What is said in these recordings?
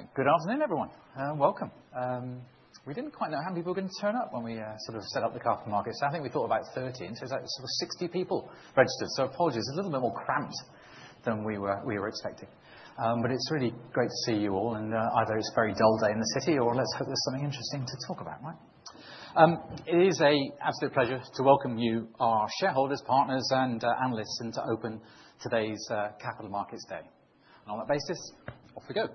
Right. Good afternoon, everyone, welcome. We didn't quite know how many people were gonna turn up when we sort of set up the capital markets. I think we thought about 30, and so it's like sort of 60 people registered. Apologies, a little bit more cramped than we were expecting. It's really great to see you all, and either it's a very dull day in the city, or let's hope there's something interesting to talk about, right? It is a absolute pleasure to welcome you, our shareholders, partners, and analysts, and to open today's Capital Markets Day. On that basis, off we go.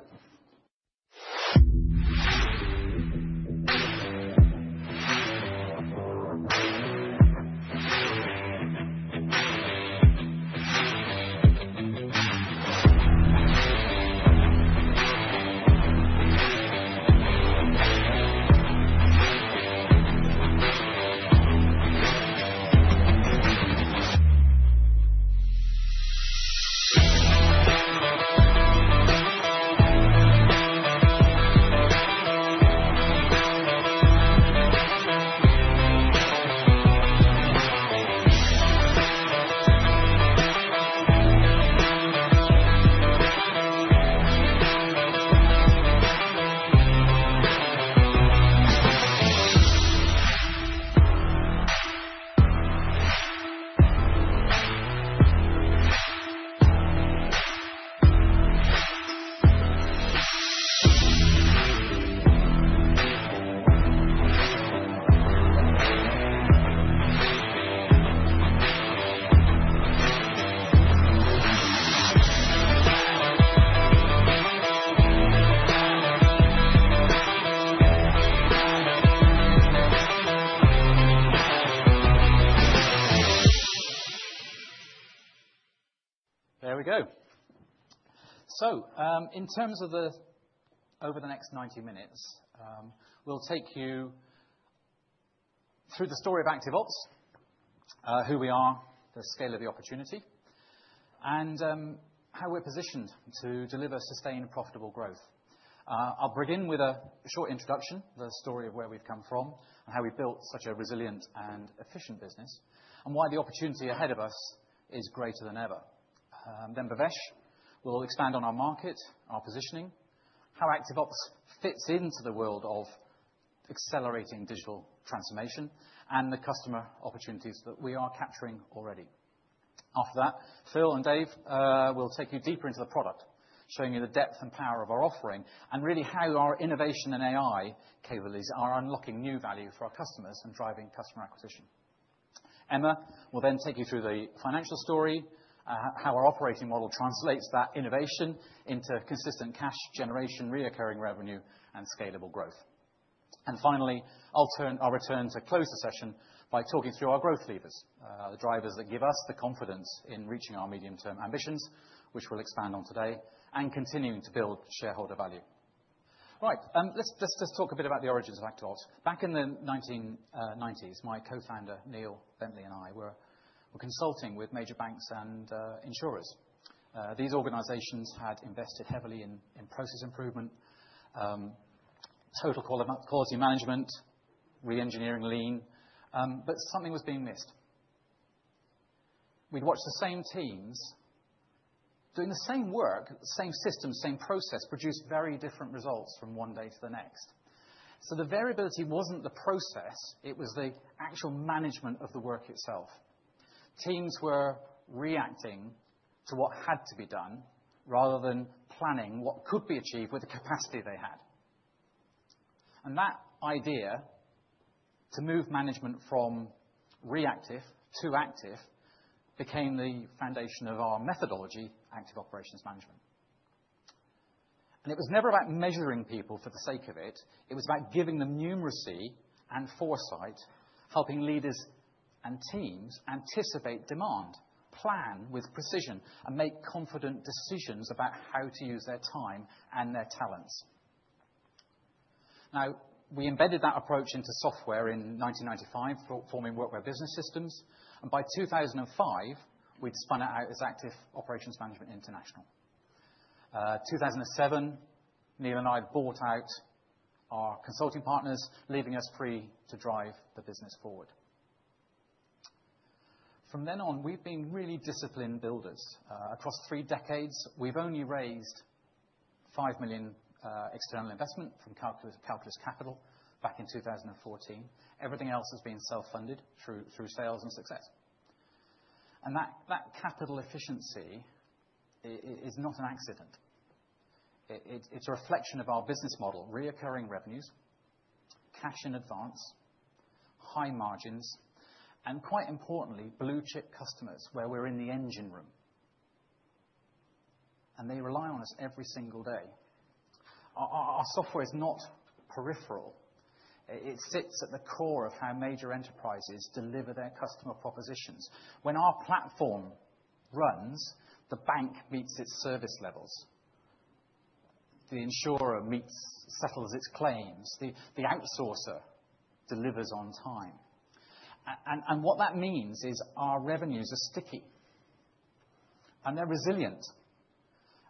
There we go. In terms of over the next 90 minutes, we'll take you through the story of ActiveOps, who we are, the scale of the opportunity, and how we're positioned to deliver sustained, profitable growth. I'll begin with a short introduction, the story of where we've come from and how we've built such a resilient and efficient business, and why the opportunity ahead of us is greater than ever. Bhavesh will expand on our market, our positioning, how ActiveOps fits into the world of accelerating digital transformation, and the customer opportunities that we are capturing already. After that, Phil and Dave will take you deeper into the product, showing you the depth and power of our offering, and really how our innovation and AI capabilities are unlocking new value for our customers and driving customer acquisition. Emma will then take you through the financial story, how our operating model translates that innovation into consistent cash generation, reoccurring revenue, and scalable growth. Finally, I'll return to close the session by talking through our growth levers, the drivers that give us the confidence in reaching our medium-term ambitions, which we'll expand on today, and continuing to build shareholder value. Right, let's just talk a bit about the origins of ActiveOps. Back in the 1990s, my co-founder, Neil Bentley, and I were consulting with major banks and insurers. These organizations had invested heavily in process improvement, total quality management, reengineering Lean, but something was being missed. We'd watch the same teams doing the same work, same system, same process, produce very different results from one day to the next. The variability wasn't the process, it was the actual management of the work itself. Teams were reacting to what had to be done, rather than planning what could be achieved with the capacity they had. That idea, to move management from reactive to active, became the foundation of our methodology, Active Operations Management. It was never about measuring people for the sake of it was about giving them numeracy and foresight, helping leaders and teams anticipate demand, plan with precision, and make confident decisions about how to use their time and their talents. Now, we embedded that approach into software in 1995, forming Workware Business Systems, and by 2005, we'd spun it out as Active Operations Management International. 2007, Neil and I bought out our consulting partners, leaving us free to drive the business forward. From then on, we've been really disciplined builders. Across three decades, we've only raised 5 million external investment from Calculus Capital back in 2014. Everything else has been self-funded through sales and success. That capital efficiency is not an accident. It's a reflection of our business model: recurring revenues, cash in advance, high margins, and quite importantly, blue-chip customers, where we're in the engine room. They rely on us every single day. Our software is not peripheral. It sits at the core of how major enterprises deliver their customer propositions. When our platform runs, the bank meets its service levels, the insurer settles its claims, the outsourcer delivers on time. What that means is our revenues are sticky, and they're resilient,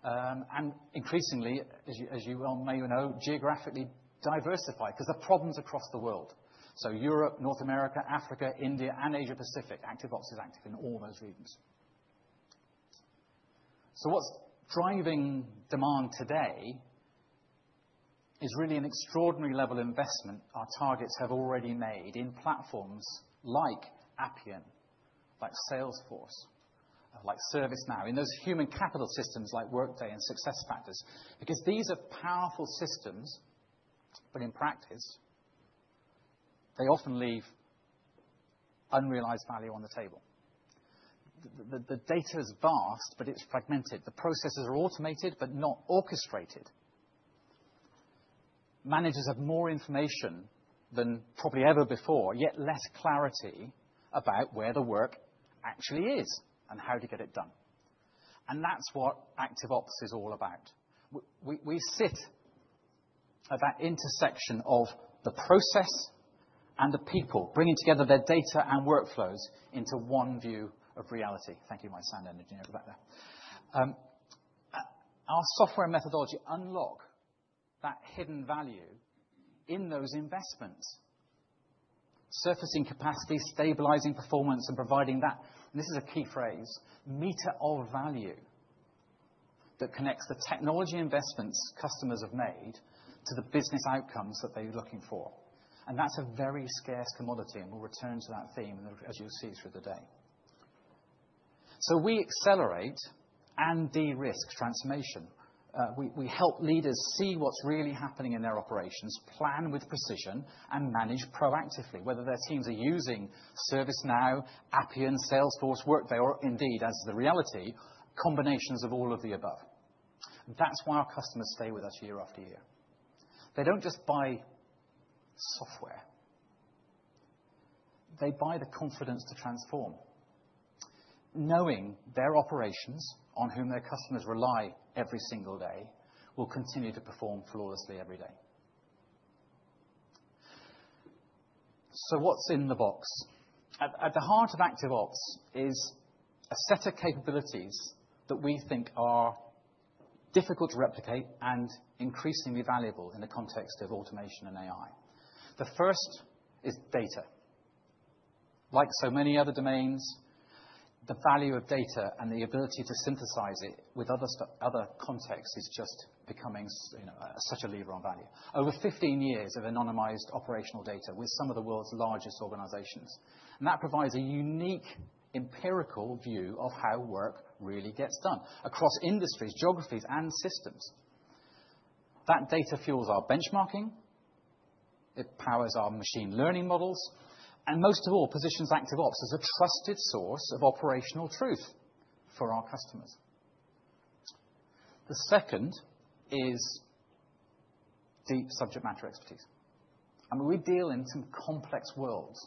and increasingly, as you well may well know, geographically diversified, 'cause the problem's across the world. Europe, North America, Africa, India, and Asia Pacific, ActiveOps is active in all those regions. What's driving demand today is really an extraordinary level of investment our targets have already made in platforms like Appian, like Salesforce, like ServiceNow, in those human capital systems like Workday and SuccessFactors. These are powerful systems, but in practice, they often leave unrealized value on the table. The data is vast, but it's fragmented. The processes are automated but not orchestrated. Managers have more information than probably ever before, yet less clarity about where the work actually is and how to get it done. That's what ActiveOps is all about. We sit at that intersection of the process and the people, bringing together their data and workflows into one view of reality. Thank you, my sound engineer back there. Our software methodology unlock that hidden value in those investments, surfacing capacity, stabilizing performance, and providing that, this is a key phrase, meter of value, that connects the technology investments customers have made to the business outcomes that they're looking for. That's a very scarce commodity, and we'll return to that theme, as you'll see through the day. We accelerate and de-risk transformation. We help leaders see what's really happening in their operations, plan with precision, and manage proactively. Whether their teams are using ServiceNow, Appian, Salesforce, Workday, or indeed, as the reality, combinations of all of the above. That's why our customers stay with us year-after-year. They don't just buy software, they buy the confidence to transform, knowing their operations, on whom their customers rely every single day, will continue to perform flawlessly every day. What's in the box? At the heart of ActiveOps is a set of capabilities that we think are difficult to replicate and increasingly valuable in the context of automation and AI. The first is data. Like so many other domains, the value of data and the ability to synthesize it with other contexts is just becoming you know, such a lever on value. Over 15 years of anonymized operational data with some of the world's largest organizations, that provides a unique empirical view of how work really gets done across industries, geographies, and systems. That data fuels our benchmarking, it powers our machine learning models, and most of all, positions ActiveOps as a trusted source of operational truth for our customers. The second is deep subject matter expertise, and we deal in some complex worlds.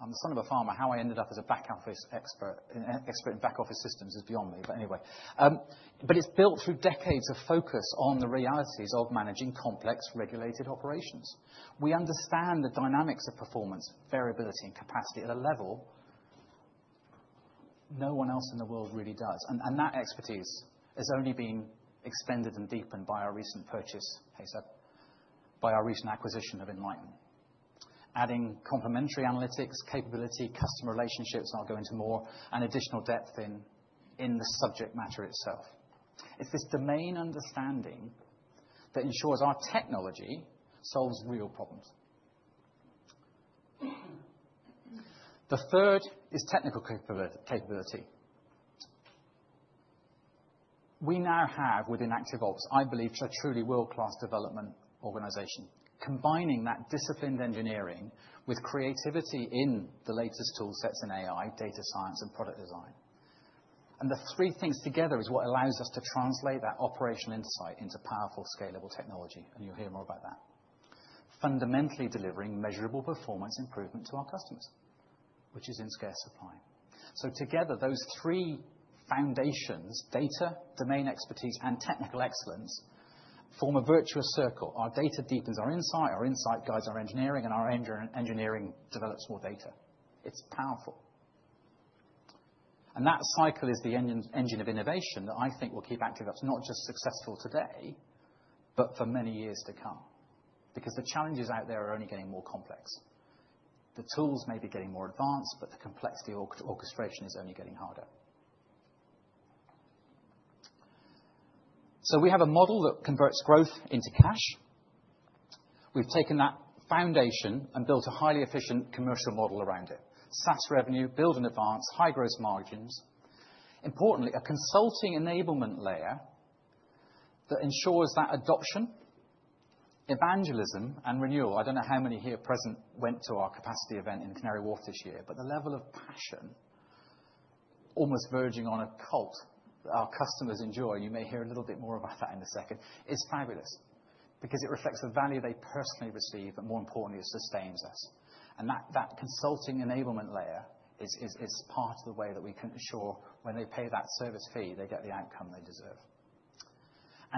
I'm the son of a farmer. How I ended up as a back-office expert, an expert in back-office systems is beyond me, but anyway. But it's built through decades of focus on the realities of managing complex, regulated operations. We understand the dynamics of performance, variability, and capacity at a level no one else in the world really does, and that expertise has only been expanded and deepened by our recent purchase, by our recent acquisition of Enlighten. Adding complementary analytics, capability, customer relationships, I'll go into more, and additional depth in the subject matter itself. It's this domain understanding that ensures our technology solves real problems. The third is technical capability. We now have, within ActiveOps, I believe, a truly world-class development organization, combining that disciplined engineering with creativity in the latest toolsets in AI, data science, and product design. The three things together is what allows us to translate that operational insight into powerful, scalable technology, and you'll hear more about that. Fundamentally delivering measurable performance improvement to our customers, which is in scarce supply. Together, those three foundations, data, domain expertise, and technical excellence, form a virtuous circle. Our data deepens our insight, our insight guides our engineering, and our engineering develops more data. It's powerful. That cycle is the engine of innovation that I think will keep ActiveOps not just successful today, but for many years to come. The challenges out there are only getting more complex. The tools may be getting more advanced, but the complexity or orchestration is only getting harder. We have a model that converts growth into cash. We've taken that foundation and built a highly efficient commercial model around it. SaaS revenue, build and advance, high growth margins. Importantly, a consulting enablement layer that ensures that adoption, evangelism, and renewal. I don't know how many here present went to our capacity event in Canary Wharf this year, the level of passion, almost verging on a cult, that our customers enjoy, you may hear a little bit more about that in a second, is fabulous because it reflects the value they personally receive, and more importantly, it sustains us. That consulting enablement layer is part of the way that we can ensure when they pay that service fee, they get the outcome they deserve.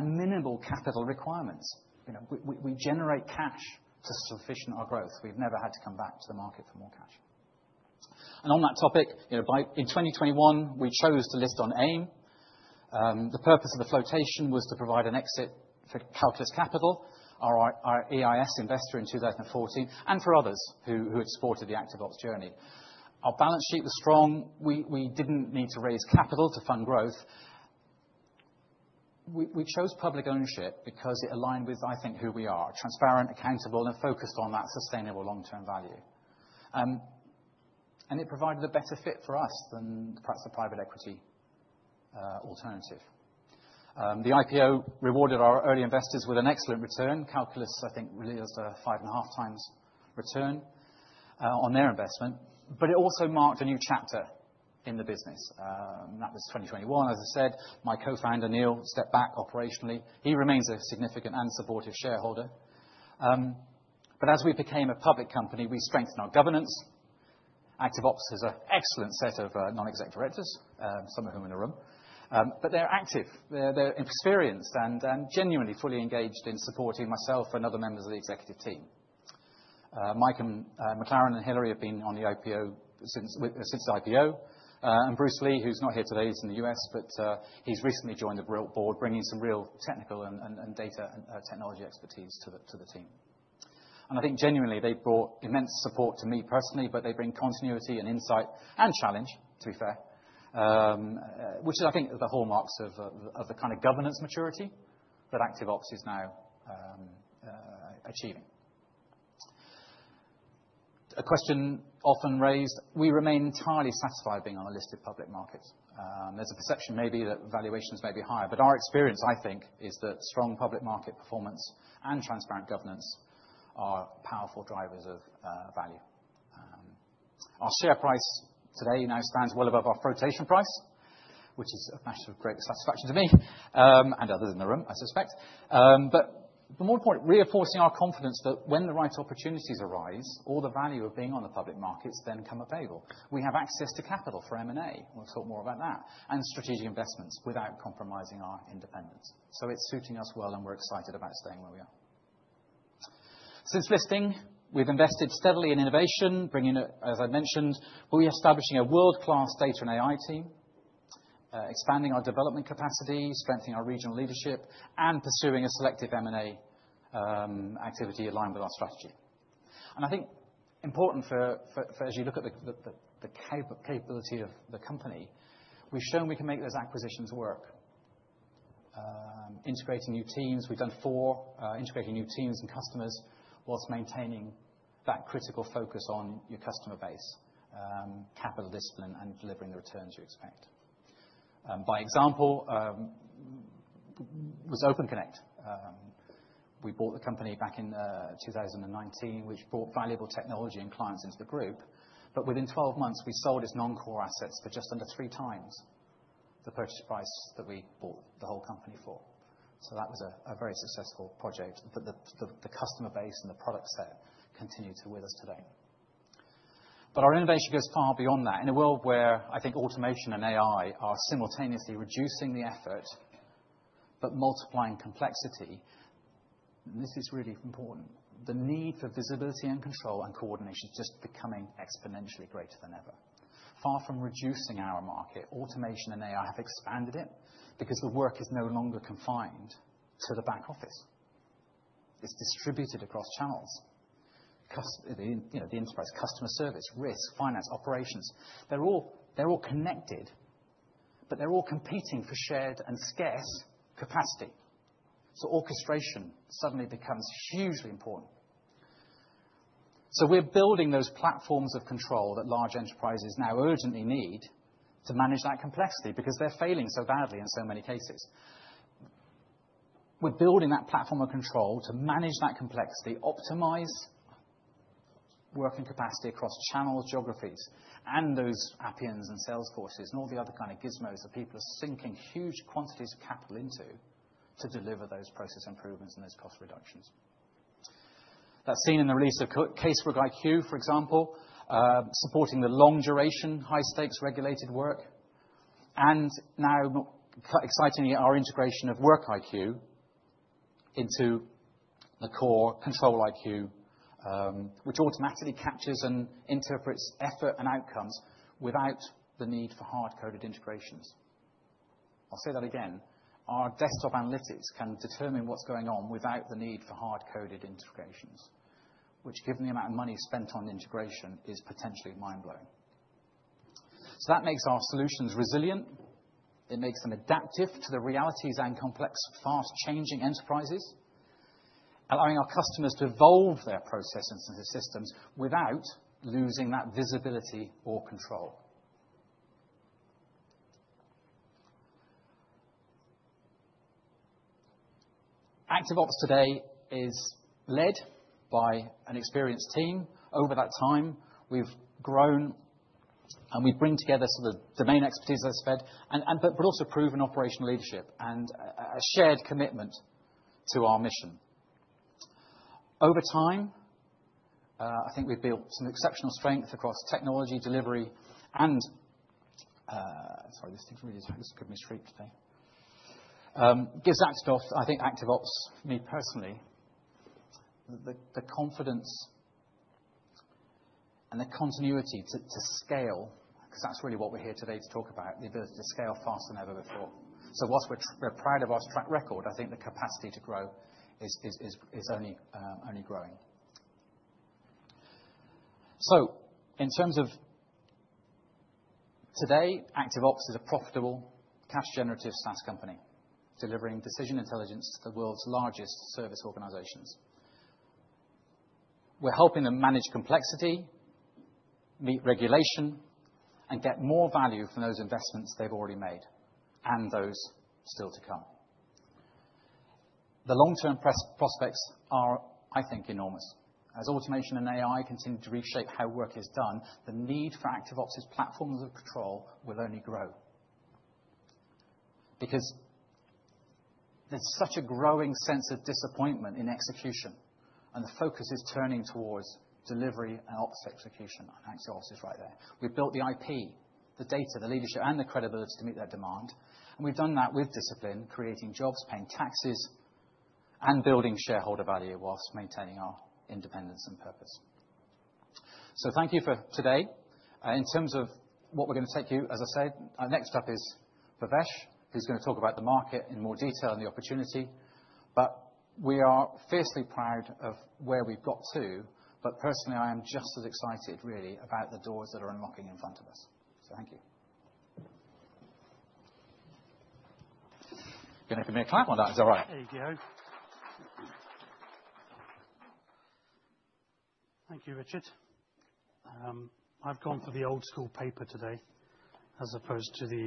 Minimal capital requirements. You know, we generate cash to sufficient our growth. We've never had to come back to the market for more cash. On that topic, you know, in 2021, we chose to list on AIM. The purpose of the flotation was to provide an exit for Calculus Capital, our EIS investor in 2014, and for others who had supported the ActiveOps journey. Our balance sheet was strong. We didn't need to raise capital to fund growth. We chose public ownership because it aligned with, I think, who we are, transparent, accountable, and focused on that sustainable long-term value. It provided a better fit for us than perhaps the private equity alternative. The IPO rewarded our early investors with an excellent return. Calculus, I think, really has a five and a half times return on their investment. It also marked a new chapter in the business, that was 2021. As I said, my co-founder, Neil, stepped back operationally. He remains a significant and supportive shareholder. As we became a public company, we strengthened our governance. ActiveOps has an excellent set of non-executive directors, some of whom are in the room. They're active, they're experienced and genuinely fully engaged in supporting myself and other members of the executive team. Mike McLaren and Hilary have been on the IPO since the IPO. Bruce Lee, who's not here today, he's in the U.S., but he's recently joined the group board, bringing some real technical and data and technology expertise to the team. I think genuinely, they brought immense support to me personally, but they bring continuity and insight and challenge, to be fair, which is, I think, the hallmarks of the kind of governance maturity that ActiveOps is now achieving. A question often raised, we remain entirely satisfied being on a list of public markets. There's a perception maybe that valuations may be higher, but our experience, I think, is that strong public market performance and transparent governance are powerful drivers of value. Our share price today now stands well above our flotation price, which is a matter of great satisfaction to me, and others in the room, I suspect. The more important, reinforcing our confidence that when the right opportunities arise, all the value of being on the public markets then come available. We have access to capital for M&A, we'll talk more about that, and strategic investments without compromising our independence. It's suiting us well, and we're excited about staying where we are. Since listing, we've invested steadily in innovation, as I mentioned, establishing a world-class data and AI team, expanding our development capacity, strengthening our regional leadership, and pursuing a selective M&A activity aligned with our strategy. I think important for, as you look at the capability of the company, we've shown we can make those acquisitions work. Integrating new teams, we've done 4, integrating new teams and customers, whilst maintaining that critical focus on your customer base, capital discipline, and delivering the returns you expect. By example, was OpenConnect. We bought the company back in 2019, which brought valuable technology and clients into the group, but within 12 months, we sold its non-core assets for just under 3x the purchase price that we bought the whole company for. That was a very successful project. The customer base and the product set continue to with us today. Our innovation goes far beyond that. In a world where I think automation and AI are simultaneously reducing the effort, multiplying complexity, this is really important. The need for visibility and control and coordination is just becoming exponentially greater than ever. Far from reducing our market, automation and AI have expanded it because the work is no longer confined to the back office. It's distributed across channels. You know, the enterprise, customer service, risk, finance, operations, they're all connected, they're all competing for shared and scarce capacity. Orchestration suddenly becomes hugely important. We're building those platforms of control that large enterprises now urgently need to manage that complexity because they're failing so badly in so many cases. We're building that platform of control to manage that complexity, optimize working capacity across channels, geographies, and those Appian and Salesforce, and all the other kind of gizmos that people are sinking huge quantities of capital into to deliver those process improvements and those cost reductions. That's seen in the release of CaseworkiQ, for example, supporting the long duration, high-stakes, regulated work. Now, excitingly, our integration of WorkiQ into the core ControliQ, which automatically captures and interprets effort and outcomes without the need for hard-coded integrations. I'll say that again. Our Desktop Analytics can determine what's going on without the need for hard-coded integrations, which given the amount of money spent on integration, is potentially mind-blowing. That makes our solutions resilient. It makes them adaptive to the realities and complex, fast-changing enterprises, allowing our customers to evolve their processes and systems without losing that visibility or control. ActiveOps today is led by an experienced team. Over that time, we've grown, we bring together sort of domain expertise, as I said, but also proven operational leadership and a shared commitment to our mission. Over time, I think we've built some exceptional strength across technology delivery. Sorry, this thing really is giving me streak today. Gives ActiveOps, I think ActiveOps, me personally, the confidence and the continuity to scale, 'cause that's really what we're here today to talk about, the ability to scale faster than ever before. Whilst we're proud of our track record, I think the capacity to grow is only growing. In terms of today, ActiveOps is a profitable, cash-generative SaaS company, delivering Decision Intelligence to the world's largest service organizations. We're helping them manage complexity, meet regulation, and get more value from those investments they've already made, and those still to come. The long-term prospects are, I think, enormous. As automation and AI continue to reshape how work is done, the need for ActiveOps' platforms of control will only grow. There's such a growing sense of disappointment in execution, and the focus is turning towards delivery and ops execution, and ActiveOps is right there. We've built the IP, the data, the leadership, and the credibility to meet that demand, and we've done that with discipline, creating jobs, paying taxes, and building shareholder value whilst maintaining our independence and purpose. Thank you for today. In terms of what we're gonna take you, as I said, our next step is Bhavesh, who's gonna talk about the market in more detail and the opportunity. We are fiercely proud of where we've got to, but personally, I am just as excited really about the doors that are unlocking in front of us. Thank you. You're gonna give me a clap on that, is that right? There you go. Thank you, Richard. I've gone for the old school paper today, as opposed to the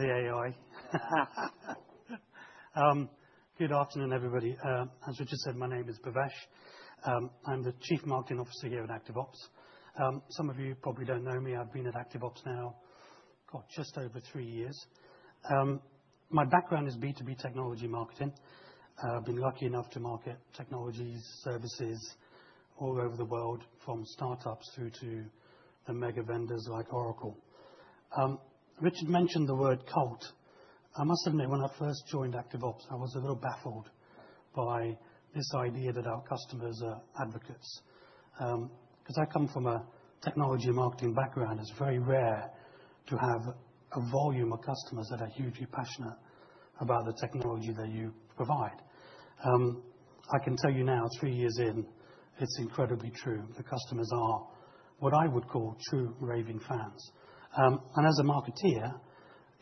AI. Good afternoon, everybody. As Richard said, my name is Bhavesh. I'm the Chief Marketing Officer here at ActiveOps. Some of you probably don't know me. I've been at ActiveOps now for just over three years. My background is B2B technology marketing. I've been lucky enough to market technologies, services all over the world, from start-ups through to the mega vendors like Oracle. Richard mentioned the word cult. I must admit, when I first joined ActiveOps, I was a little baffled by this idea that our customers are advocates. 'Cause I come from a technology marketing background, it's very rare to have a volume of customers that are hugely passionate about the technology that you provide. I can tell you now, three years in, it's incredibly true. The customers are what I would call true raving fans. As a marketeer,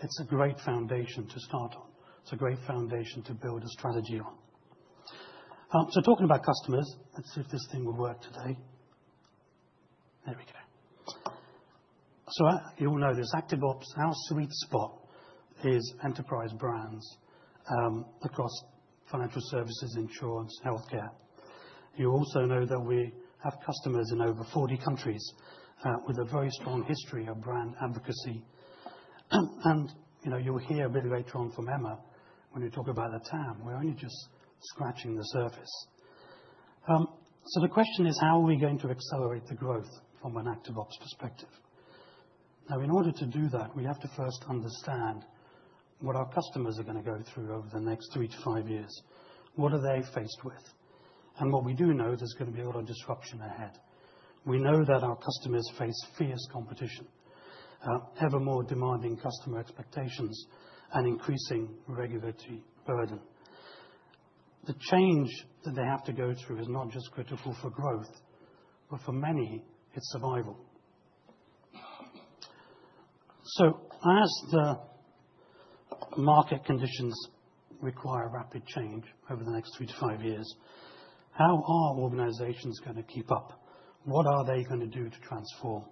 it's a great foundation to start on. It's a great foundation to build a strategy on. Talking about customers... Let's see if this thing will work today. There we go. You all know this, ActiveOps, our sweet spot is enterprise brands across financial services, insurance, healthcare. You also know that we have customers in over 40 countries with a very strong history of brand advocacy. You know, you'll hear a bit later on from Emma, when we talk about the TAM, we're only just scratching the surface. The question is, How are we going to accelerate the growth from an ActiveOps perspective? In order to do that, we have to first understand what our customers are gonna go through over the next three to five years. What are they faced with? What we do know, there's gonna be a lot of disruption ahead. We know that our customers face fierce competition, ever more demanding customer expectations, and increasing regulatory burden. The change that they have to go through is not just critical for growth, but for many, it's survival. As the market conditions require rapid change over the next three to five years, how are organizations gonna keep up? What are they gonna do to transform?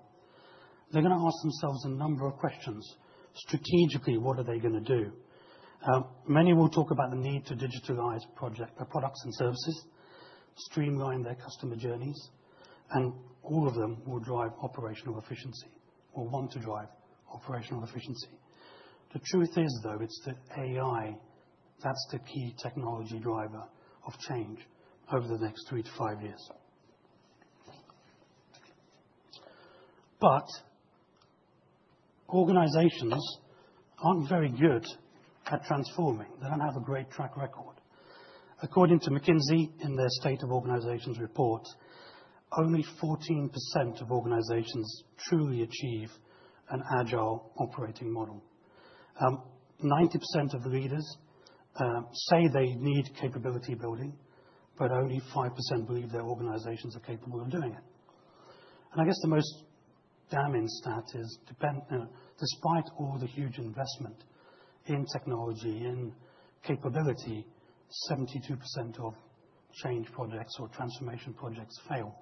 They're gonna ask themselves a number of questions. Strategically, what are they gonna do? Many will talk about the need to digitalize products and services, streamline their customer journeys, All of them will drive operational efficiency or want to drive operational efficiency. The truth is, though, it's the AI, that's the key technology driver of change over the next three to five years. Organizations aren't very good at transforming. They don't have a great track record. According to McKinsey, in their State of Organizations report, only 14% of organizations truly achieve an agile operating model. 90% of the leaders say they need capability building, Only 5% believe their organizations are capable of doing it. I guess the most damning stat is despite all the huge investment in technology and capability, 72% of change projects or transformation projects fail.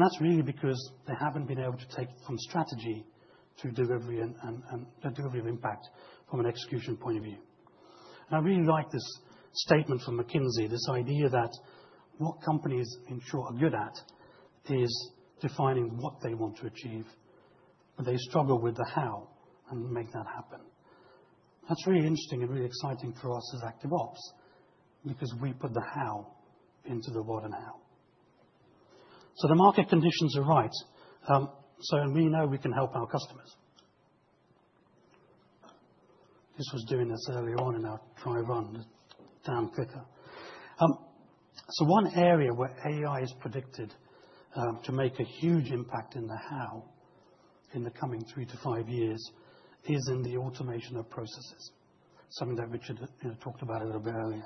That's really because they haven't been able to take it from strategy to delivery and the delivery of impact from an execution point of view. I really like this statement from McKinsey, this idea that what companies in short are good at is defining what they want to achieve, but they struggle with the how and make that happen. That's really interesting and really exciting for us as ActiveOps, because we put the how into the what and how. The market conditions are right, so we know we can help our customers. This was doing this earlier on in our dry run, down quicker. One area where AI is predicted to make a huge impact in the how in the coming three-five years, is in the automation of processes, something that Richard had talked about a little bit earlier.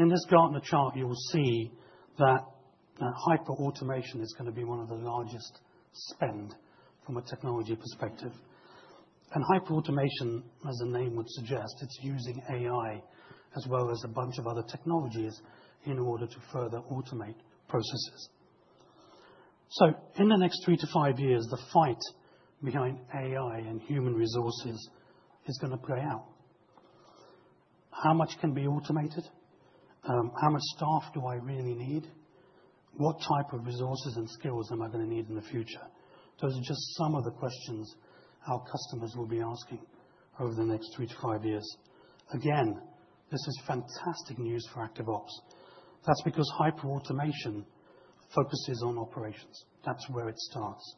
In this Gartner chart, you will see that hyperautomation is gonna be one of the largest spend from a technology perspective. Hyperautomation, as the name would suggest, it's using AI as well as a bunch of other technologies in order to further automate processes. In the next three-five years, the fight behind AI and human resources is gonna play out. How much can be automated? How much staff do I really need? What type of resources and skills am I gonna need in the future? Those are just some of the questions our customers will be asking over the next three-five years. Again, this is fantastic news for ActiveOps. That's because hyperautomation focuses on operations. That's where it starts,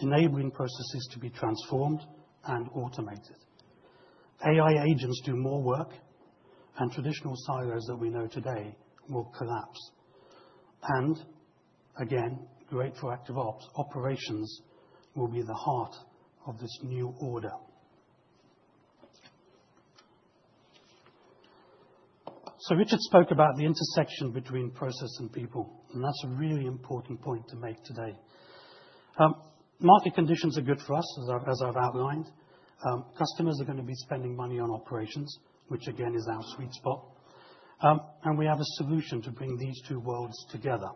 enabling processes to be transformed and automated. AI agents do more work, and traditional silos that we know today will collapse. Again, great for ActiveOps, operations will be the heart of this new order. Richard spoke about the intersection between process and people, and that's a really important point to make today. Market conditions are good for us, as I've outlined. Customers are gonna be spending money on operations, which again, is our sweet spot. We have a solution to bring these two worlds together.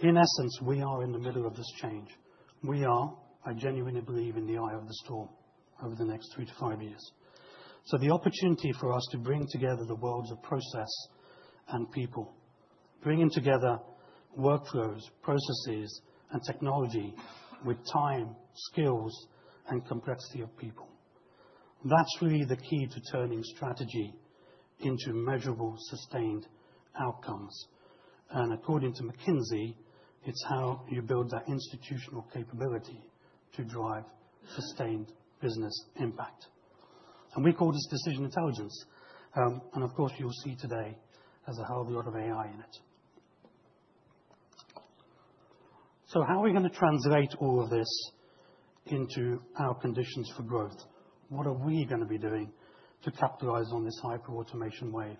In essence, we are in the middle of this change. We are, I genuinely believe, in the eye of the storm over the next three-five years. The opportunity for us to bring together the worlds of process and people, bringing together workflows, processes, and technology with time, skills, and complexity of people. That's really the key to turning strategy into measurable, sustained outcomes. According to McKinsey, it's how you build that institutional capability to drive sustained business impact. We call this Decision Intelligence. Of course, you will see today, there's a hell of a lot of AI in it. How are we gonna translate all of this into our conditions for growth? What are we gonna be doing to capitalize on this Hyperautomation wave?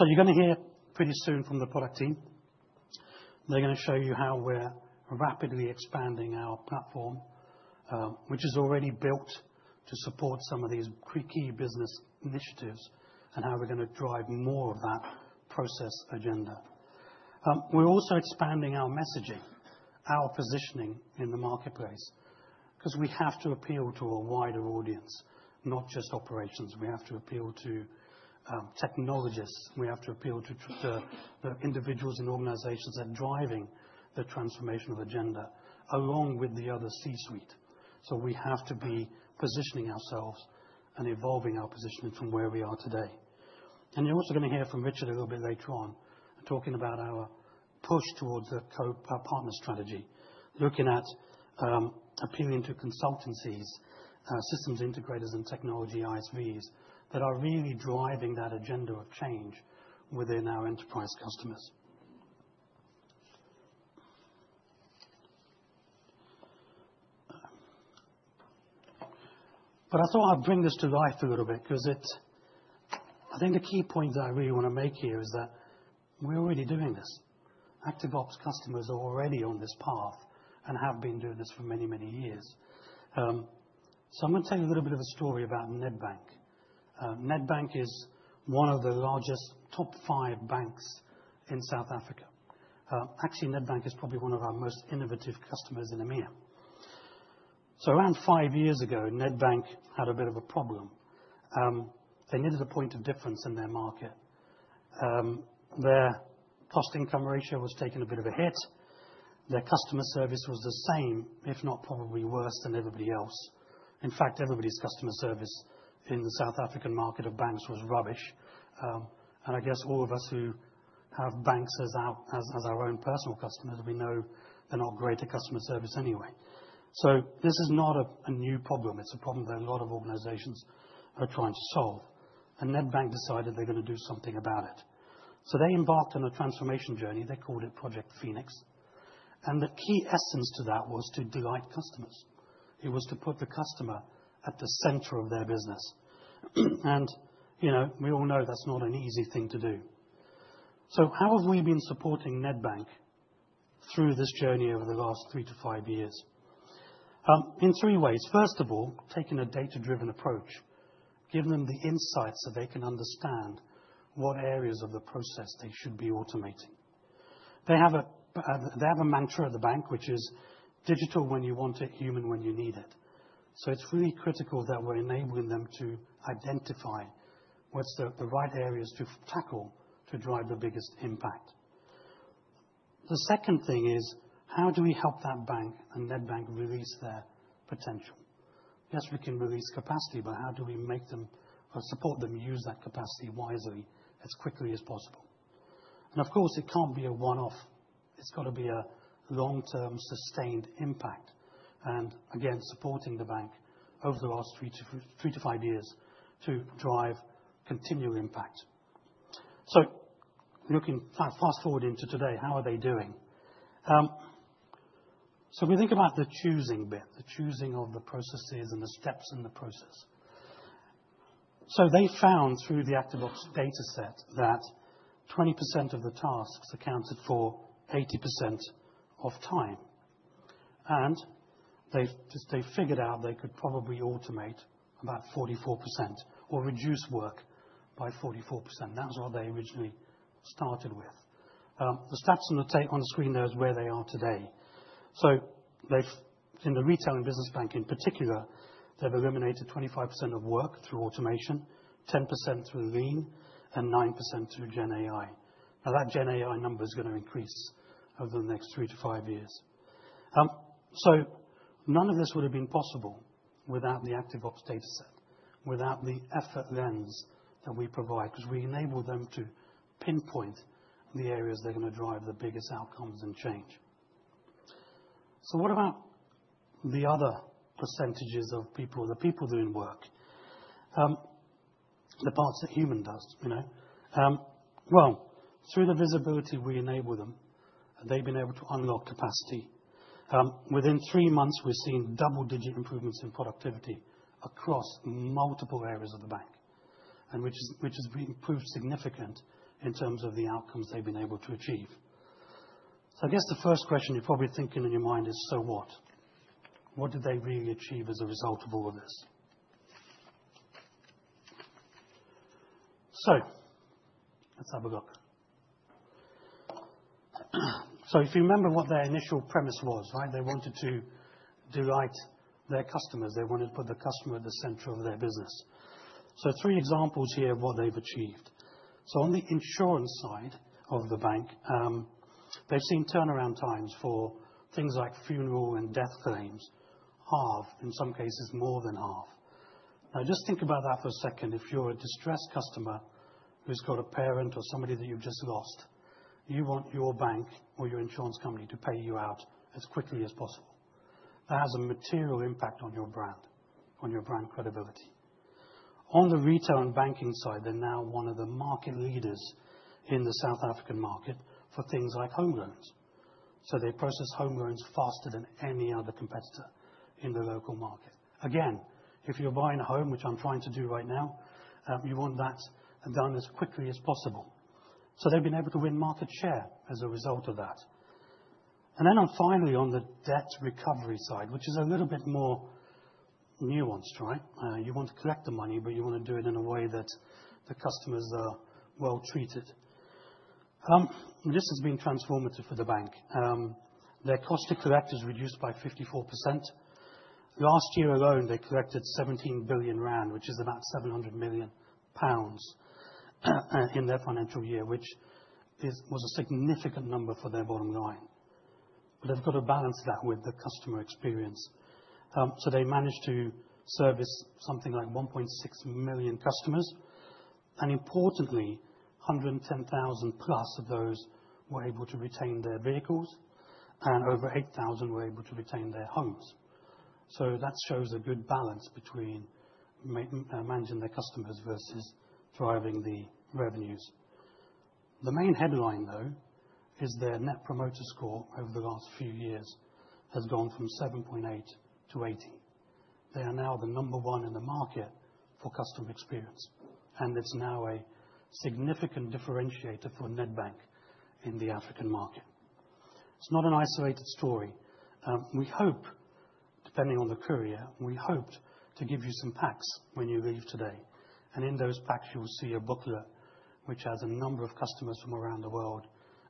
You're gonna hear pretty soon from the product team. They're gonna show you how we're rapidly expanding our platform, which is already built to support some of these key business initiatives, and how we're gonna drive more of that process agenda. We're also expanding our messaging, our positioning in the marketplace, 'cause we have to appeal to a wider audience, not just operations. We have to appeal to technologists. We have to appeal to the individuals and organizations that are driving the transformational agenda, along with the other C-suite. We have to be positioning ourselves and evolving our positioning from where we are today. You're also gonna hear from Richard a little bit later on, talking about our push towards a co- partner strategy, looking at appealing to consultancies, systems integrators and technology ISVs that are really driving that agenda of change within our enterprise customers. I thought I'd bring this to life a little bit 'cause I think the key point that I really wanna make here is that we're already doing this. ActiveOps customers are already on this path and have been doing this for many years. I'm gonna tell you a little bit of a story about Nedbank. Nedbank is one of the largest top five banks in South Africa. actually, Nedbank is probably one of our most innovative customers in EMEA. Around five years ago, Nedbank had a bit of a problem. They needed a point of difference in their market. Their cost income ratio was taking a bit of a hit. Their customer service was the same, if not probably worse than everybody else. In fact, everybody's customer service in the South African market of banks was rubbish. I guess all of us who have banks as our own personal customers, we know they're not great at customer service anyway. This is not a new problem. It's a problem that a lot of organizations are trying to solve, Nedbank decided they're gonna do something about it. They embarked on a transformation journey. They called it Project Phoenix, the key essence to that was to delight customers. It was to put the customer at the center of their business. You know, we all know that's not an easy thing to do. How have we been supporting Nedbank through this journey over the last three to five years? In three ways. First of all, taking a data-driven approach, giving them the insights so they can understand what areas of the process they should be automating. They have a mantra at the bank, which is: digital when you want it, human when you need it. It's really critical that we're enabling them to identify what's the right areas to tackle to drive the biggest impact. The second thing is, how do we help that bank and Nedbank release their potential? Yes, we can release capacity, but how do we make them or support them use that capacity wisely as quickly as possible? Of course, it can't be a one-off. It's got to be a long-term, sustained impact, and again, supporting the bank over the last three-five years to drive continual impact. Looking fast, fast-forward into today, how are they doing? We think about the choosing bit, the choosing of the processes and the steps in the process. They found through the ActiveOps data set that 20% of the tasks accounted for 80% of time, and they just figured out they could probably automate about 44% or reduce work by 44%. That's what they originally started with. The stats on the screen there is where they are today. They've in the retail and business bank in particular, they've eliminated 25% of work through automation, 10% through Lean, and 9% through Gen AI. That Gen AI number is going to increase over the next three-five years. None of this would have been possible without the ActiveOps data set, without the effort lens that we provide, 'cause we enable them to pinpoint the areas they're going to drive the biggest outcomes and change. What about the other percentages of people, the people doing work? The parts that human does, you know. Well, through the visibility, we enable them, and they've been able to unlock capacity. Within three months, we've seen double-digit improvements in productivity across multiple areas of the bank, which has been proved significant in terms of the outcomes they've been able to achieve. I guess the first question you're probably thinking in your mind is, what? What did they really achieve as a result of all of this? Let's have a look. If you remember what their initial premise was, right? They wanted to delight their customers. They wanted to put the customer at the center of their business. Three examples here of what they've achieved. On the insurance side of the bank, they've seen turnaround times for things like funeral and death claims, half, in some cases, more than half. Now, just think about that for a second. If you're a distressed customer who's got a parent or somebody that you've just lost, you want your bank or your insurance company to pay you out as quickly as possible. That has a material impact on your brand, on your brand credibility. The retail and banking side, they're now one of the market leaders in the South African market for things like home loans. They process home loans faster than any other competitor in the local market. If you're buying a home, which I'm trying to do right now, you want that done as quickly as possible. They've been able to win market share as a result of that. Finally, on the debt recovery side, which is a little bit more nuanced, right? You want to collect the money, you want to do it in a way that the customers are well treated. This has been transformative for the bank. Their cost to collect is reduced by 54%. Last year alone, they collected 17 billion rand, which is about 700 million pounds in their financial year, which was a significant number for their bottom line. They've got to balance that with the customer experience. They managed to service something like 1.6 million customers, and importantly, 110,000+ of those were able to retain their vehicles, and over 8,000 were able to retain their homes. That shows a good balance between managing their customers versus driving the revenues. The main headline, though, is their Net Promoter Score over the last few years has gone from 7.8 to 80. They are now the number one in the market for customer experience, and it's now a significant differentiator for Nedbank in the African market. It's not an isolated story. We hope, depending on the courier, we hoped to give you some packs when you leave today, and in those packs, you will see a booklet, which has a number of customers from around the world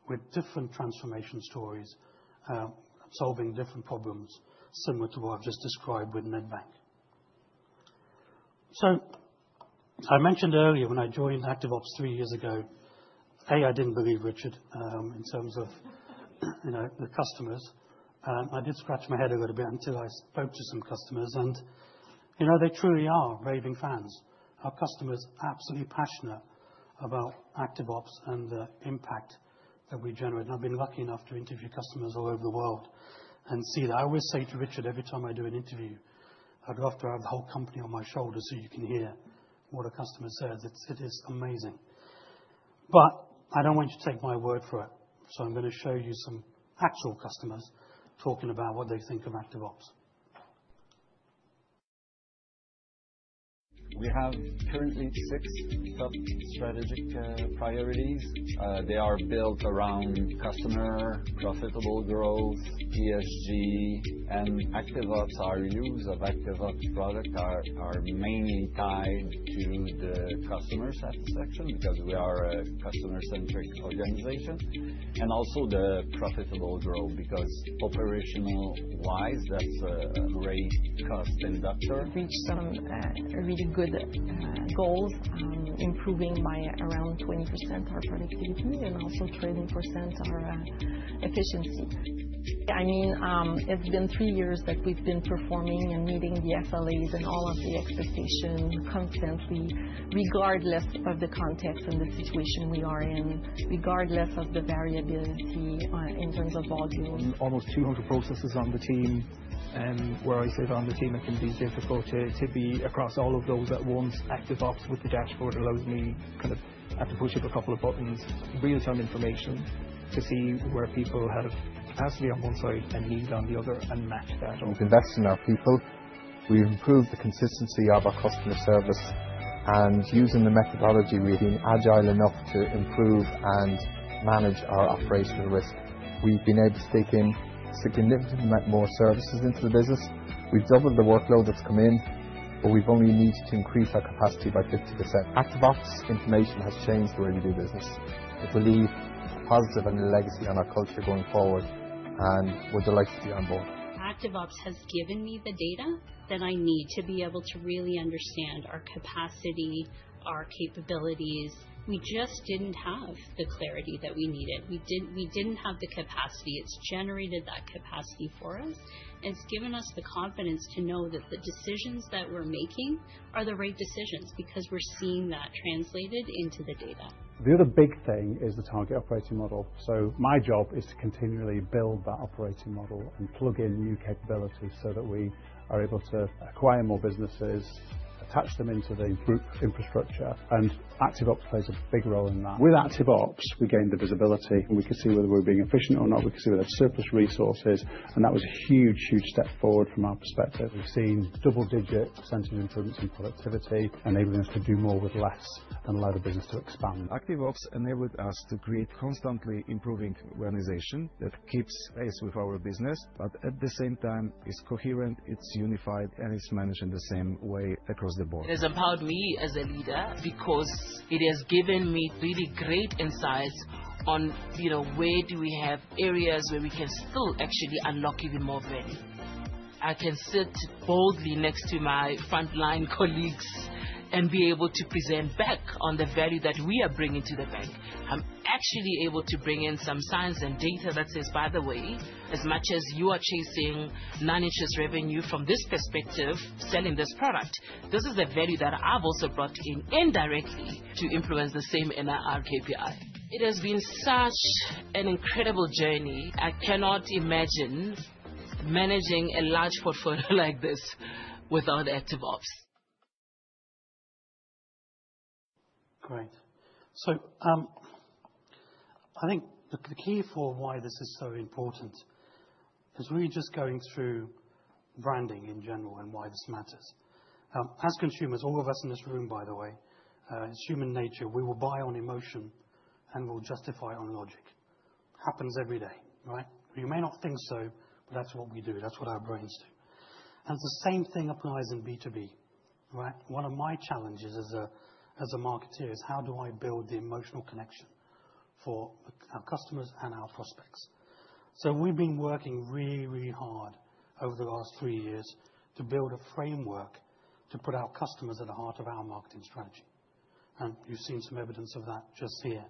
with different transformation stories, solving different problems, similar to what I've just described with Nedbank. I mentioned earlier when I joined ActiveOps three years ago, I didn't believe Richard, in terms of, you know, the customers. I did scratch my head a little bit until I spoke to some customers, you know, they truly are raving fans. Our customers are absolutely passionate about ActiveOps and the impact that we generate. I've been lucky enough to interview customers all over the world and see that. I always say to Richard, every time I do an interview, "I'd love to have the whole company on my shoulder, so you can hear what a customer says." It is amazing. I don't want you to take my word for it, I'm going to show you some actual customers talking about what they think of ActiveOps. We have currently six top strategic priorities. They are built around customer, profitable growth, ESG, and ActiveOps. Our use of ActiveOps product are mainly tied to the customer satisfaction, because we are a customer-centric organization, and also the profitable growth, because operational-wise, that's a great cost inductor. Reached some really good goals, improving by around 20% our productivity and also 20% our efficiency. I mean, it's been three years that we've been performing and meeting the SLAs and all of the expectations constantly. regardless of the context and the situation we are in, regardless of the variability, in terms of volume. Almost 200 processes on the team, where I sit on the team, it can be difficult to be across all of those at once. ActiveOps with the dashboard allows me, at the push of a couple of buttons, real-time information to see where people have capacity on one side and need on the other, and match that. We've invested in our people. We've improved the consistency of our customer service, using the methodology, we've been agile enough to improve and manage our operational risk. We've been able to take in significantly more services into the business. We've doubled the workload that's come in, we've only needed to increase our capacity by 50%. ActiveOps information has changed the way we do business. I believe it's a positive and a legacy on our culture going forward and would like to be on board. ActiveOps has given me the data that I need to be able to really understand our capacity, our capabilities. We just didn't have the clarity that we needed. We didn't have the capacity. It's generated that capacity for us, and it's given us the confidence to know that the decisions that we're making are the right decisions because we're seeing that translated into the data. The other big thing is the target operating model. My job is to continually build that operating model and plug in new capabilities so that we are able to acquire more businesses, attach them into the group infrastructure, ActiveOps plays a big role in that. With ActiveOps, we gained the visibility, we could see whether we were being efficient or not. We could see where there's surplus resources, that was a huge step forward from our perspective. We've seen double-digit % improvements in productivity, enabling us to do more with less and allow the business to expand. ActiveOps enabled us to create constantly improving organization that keeps pace with our business, but at the same time, it's coherent, it's unified, and it's managed in the same way across the board. It has empowered me as a leader because it has given me really great insights on, you know, where do we have areas where we can still actually unlock even more value. I can sit boldly next to my frontline colleagues and be able to present back on the value that we are bringing to the bank. I'm actually able to bring in some science and data that says, "By the way, as much as you are chasing non-interest revenue from this perspective, selling this product, this is the value that I've also brought in indirectly to influence the same NIR KPI." It has been such an incredible journey. I cannot imagine managing a large portfolio like this without ActiveOps. Great. I think the key for why this is so important is really just going through branding in general and why this matters. As consumers, all of us in this room, by the way, it's human nature, we will buy on emotion and we'll justify on logic. Happens every day, right? You may not think so, but that's what we do. That's what our brains do. The same thing applies in B2B, right? One of my challenges as a marketeer is how do I build the emotional connection for our customers and our prospects? We've been working really, really hard over the last three years to build a framework to put our customers at the heart of our marketing strategy, and you've seen some evidence of that just here.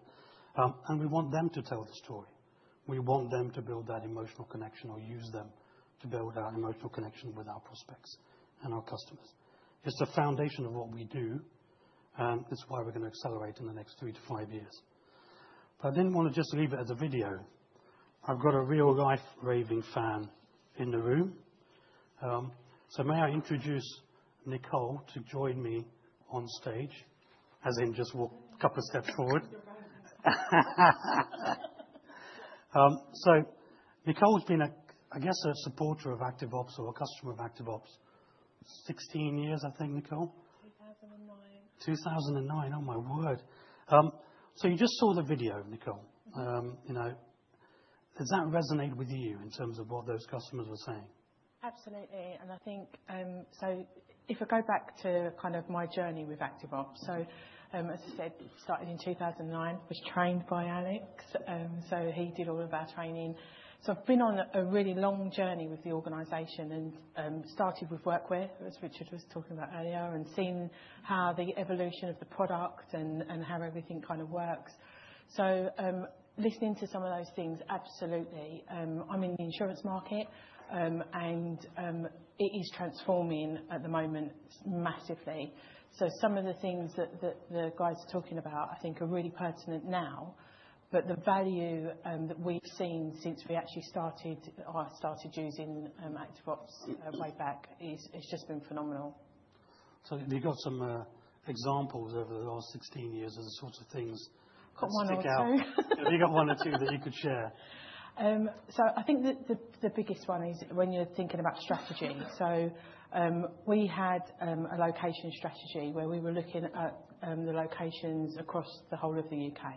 We want them to tell the story. We want them to build that emotional connection or use them to build our emotional connection with our prospects and our customers. It's the foundation of what we do, and it's why we're gonna accelerate in the next three-five years. I didn't want to just leave it as a video. I've got a real-life raving fan in the room. May I introduce Nicole to join me on stage, as in just walk a couple of steps forward. Nicole has been a, I guess, a supporter of ActiveOps or a customer of ActiveOps, 16 years, I think, Nicole? 2009. 2009. Oh, my word! You just saw the video, Nicole. Mm-hmm. You know, does that resonate with you in terms of what those customers are saying? Absolutely, I think if I go back to kind of my journey with ActiveOps, as I said, it started in 2009, was trained by Alex, he did all of our training. I've been on a really long journey with the organization and started with Workware, as Richard was talking about earlier, and seeing how the evolution of the product and how everything kind of works. Listening to some of those things, absolutely. I'm in the insurance market, it is transforming at the moment massively. Some of the things that the guys are talking about, I think are really pertinent now, but the value that we've seen since we actually started, or I started using ActiveOps way back is. It's just been phenomenal. Have you got some examples over the last 16 years of the sorts of things? I've got one or two. that stick out? Have you got one or two that you could share? I think the biggest one is when you're thinking about strategy. We had a location strategy where we were looking at the locations across the whole of the UK,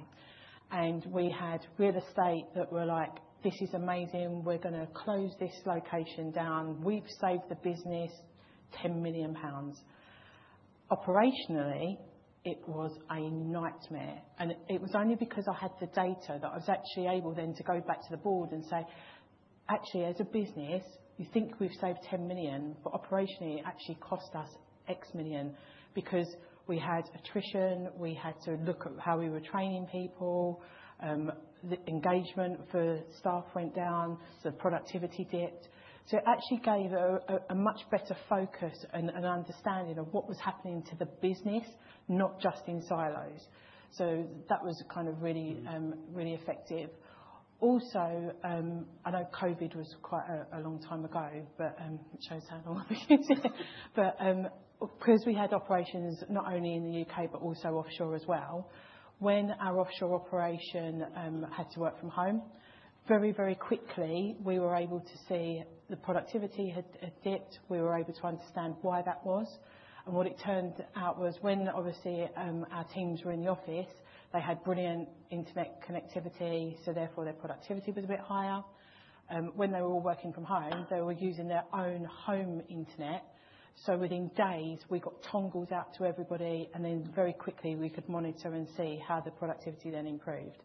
and we had real estate that were like, "This is amazing. We're gonna close this location down. We've saved the business 10 million pounds." Operationally, it was a nightmare, and it was only because I had the data that I was actually able then to go back to the board and say, "Actually, as a business, you think we've saved 10 million, but operationally, it actually cost us X million because we had attrition, we had to look at how we were training people, the engagement for staff went down, so productivity dipped. It actually gave a much better focus and understanding of what was happening to the business, not just in silos. That was kind of really, really effective. Also, I know COVID was quite a long time ago, but it shows how long ago because we had operations not only in the UK, but also offshore as well, when our offshore operation had to work from home, very, very quickly, we were able to see the productivity had dipped. We were able to understand why that was, and what it turned out was when, obviously, our teams were in the office, they had brilliant internet connectivity, so therefore, their productivity was a bit higher. When they were all working from home, they were using their own home internet. Within days, we got dongles out to everybody, and then very quickly, we could monitor and see how the productivity then improved.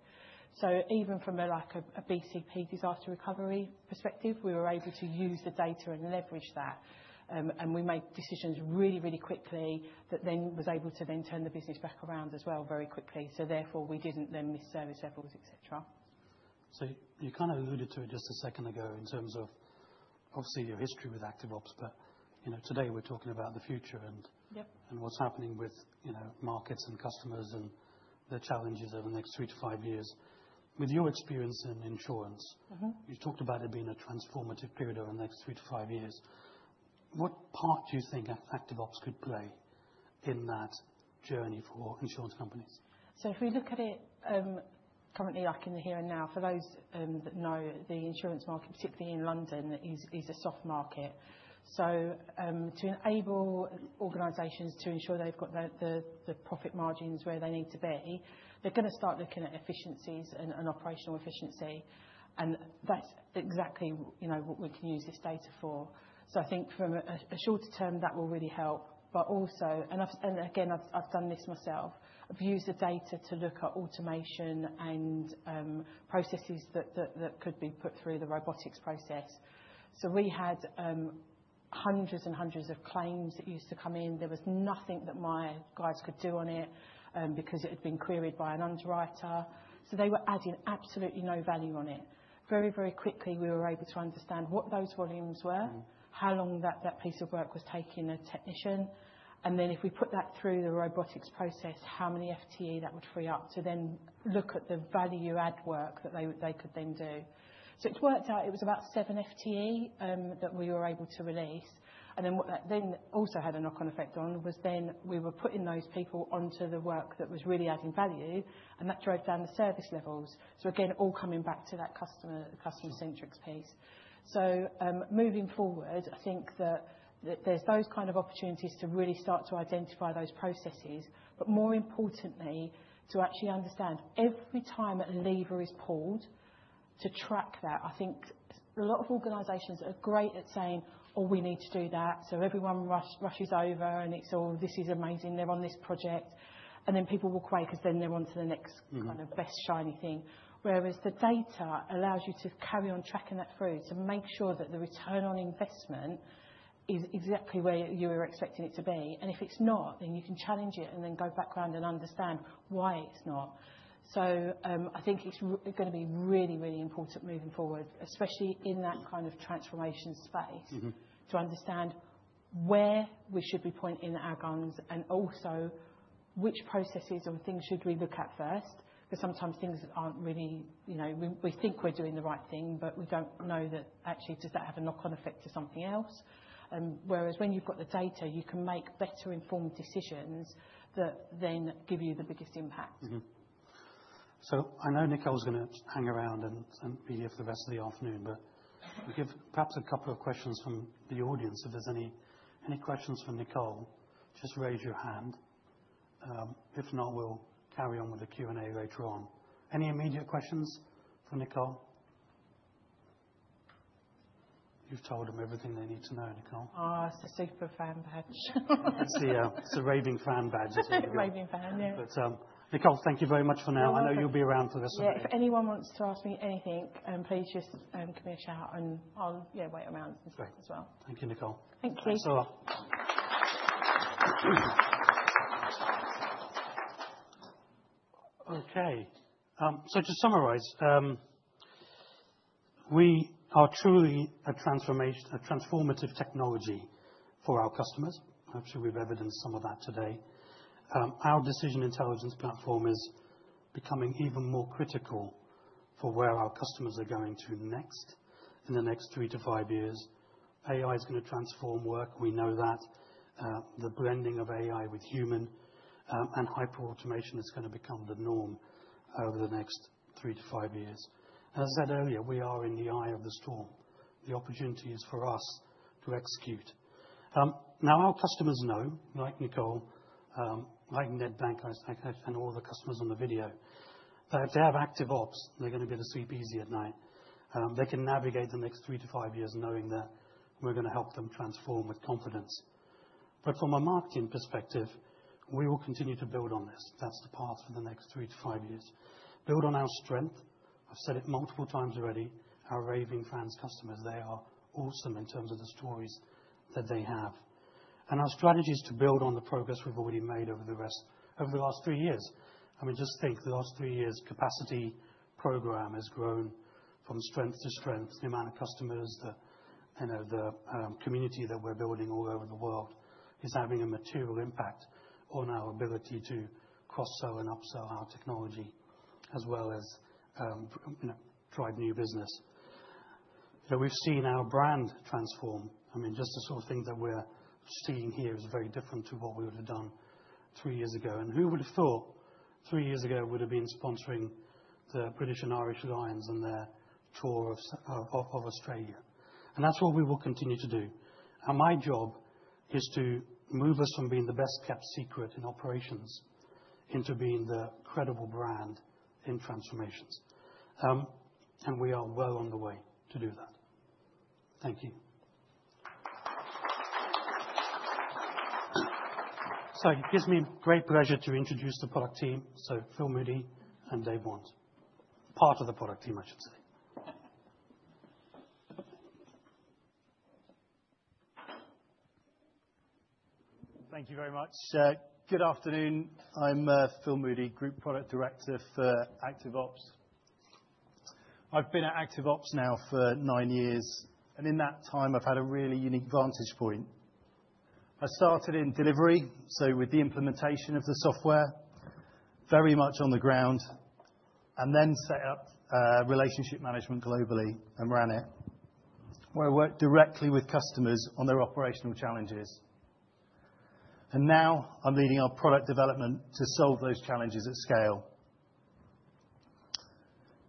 Even from a, like a BCP disaster recovery perspective, we were able to use the data and leverage that. We made decisions really, really quickly that then was able to then turn the business back around as well very quickly, so therefore, we didn't then miss service levels, et cetera. You kind of alluded to it just a second ago in terms of, obviously, your history with ActiveOps, but, you know, today we're talking about the future. Yep. What's happening with, you know, markets and customers and the challenges over the next three-five years. With your experience in insurance. Mm-hmm. You talked about it being a transformative period over the next three to five years. What part do you think ActiveOps could play in that journey for insurance companies? If we look at it, currently, like in the here and now, for those that know, the insurance market, particularly in London, is a soft market. To enable organizations to ensure they've got the profit margins where they need to be, they're gonna start looking at efficiencies and operational efficiency, and that's exactly, you know, what we can use this data for. I think from a shorter term, that will really help, but also. Again, I've done this myself, I've used the data to look at automation and processes that could be put through the robotics process. We had hundreds and hundreds of claims that used to come in. There was nothing that my guys could do on it because it had been queried by an underwriter. They were adding absolutely no value on it. Very, very quickly, we were able to understand what those volumes were. Mm. How long that piece of work was taking a technician, and then if we put that through the robotics process, how many FTE that would free up to then look at the value add work that they could then do. It worked out it was about seven FTE that we were able to release, and then what that then also had a knock-on effect on was then we were putting those people onto the work that was really adding value, and that drove down the service levels. Again, all coming back to that customer-centric piece. Moving forward, I think that there's those kind of opportunities to really start to identify those processes, but more importantly, to actually understand every time a lever is pulled, to track that. I think a lot of organizations are great at saying, "Oh, we need to do that," so everyone rushes over, and it's all, "This is amazing. They're on this project." Then people walk away because then they're on to the next... Mm-hmm kind of best shiny thing. Whereas the data allows you to carry on tracking that through to make sure that the return on investment is exactly where you were expecting it to be. If it's not, then you can challenge it and then go back around and understand why it's not. I think it's gonna be really, really important moving forward, especially in that kind of transformation space. Mm-hmm to understand where we should be pointing our guns and also which processes or things should we look at first. Sometimes things aren't really. You know, we think we're doing the right thing, but we don't know that actually does that have a knock-on effect to something else? Whereas when you've got the data, you can make better informed decisions that then give you the biggest impact. I know Nicole's gonna hang around and be here for the rest of the afternoon, but we give perhaps two questions from the audience, if there's any questions for Nicole, just raise your hand. If not, we'll carry on with the Q&A later on. Any immediate questions for Nicole? You've told them everything they need to know, Nicole. Oh, it's a super fan badge. It's a, it's a raving fan badge. Raving fan, yeah. Nicole, thank you very much for now. You're welcome. I know you'll be around for the rest of the day. Yeah, if anyone wants to ask me anything, please just give me a shout, and I'll, yeah, wait around. Great as well. Thank you, Nicole. Thank you. That's all. Okay, to summarize, we are truly a transformative technology for our customers. Actually, we've evidenced some of that today. Our Decision Intelligence platform is becoming even more critical for where our customers are going to next in the next three-five years. AI is gonna transform work, we know that. The blending of AI with human and hyperautomation is gonna become the norm over the next three-five years. As I said earlier, we are in the eye of the storm. The opportunity is for us to execute. Now, our customers know, like Nicole, like Nedbank, and all the customers on the video, that if they have ActiveOps, they're gonna be able to sleep easy at night. They can navigate the next three-five years knowing that we're gonna help them transform with confidence. From a marketing perspective, we will continue to build on this. That's the path for the next three-five years. Build on our strength. I've said it multiple times already, our raving fans, customers, they are awesome in terms of the stories that they have. Our strategy is to build on the progress we've already made over the last three years. I mean, just think, the last three years, capacity program has grown from strength to strength. The amount of customers, the, you know, the community that we're building all over the world is having a material impact on our ability to cross-sell and upsell our technology, as well as, you know, drive new business. We've seen our brand transform. I mean, just the sort of things that we're seeing here is very different to what we would have done three years ago. Who would have thought three years ago we would have been sponsoring the British & Irish Lions on their tour of Australia? That's what we will continue to do. My job is to move us from being the best-kept secret in operations into being the credible brand in transformations. We are well on the way to do that. Thank you. It gives me great pleasure to introduce the product team, so Phil Moody and Dave Wands, part of the product team, I should say. Thank you very much, sir. Good afternoon. I'm Phil Moody, Group Product Director for ActiveOps. I've been at ActiveOps now for nine years. In that time, I've had a really unique vantage point. I started in delivery, so with the implementation of the software, very much on the ground, and then set up relationship management globally and ran it, where I worked directly with customers on their operational challenges. Now I'm leading our product development to solve those challenges at scale.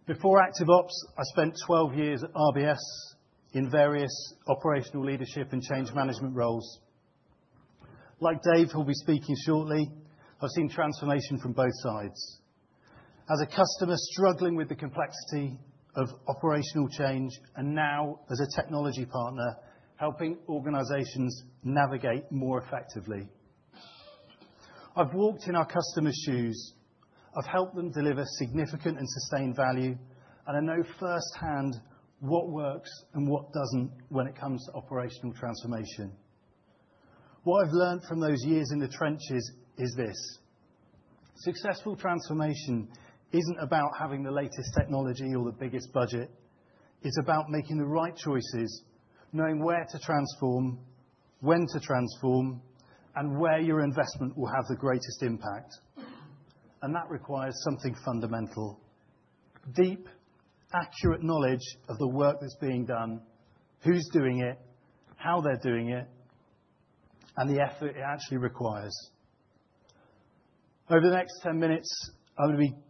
Before ActiveOps, I spent 12 years at RBS in various operational leadership and change management roles. Like Dave, who'll be speaking shortly, I've seen transformation from both sides: as a customer struggling with the complexity of operational change, and now as a technology partner, helping organizations navigate more effectively. I've walked in our customers' shoes. I've helped them deliver significant and sustained value. I know firsthand what works and what doesn't when it comes to operational transformation. What I've learned from those years in the trenches is this: successful transformation isn't about having the latest technology or the biggest budget. It's about making the right choices, knowing where to transform, when to transform, and where your investment will have the greatest impact. That requires something fundamental, deep, accurate knowledge of the work that's being done, who's doing it, how they're doing it, and the effort it actually requires. Over the next 10 minutes, I'm going to be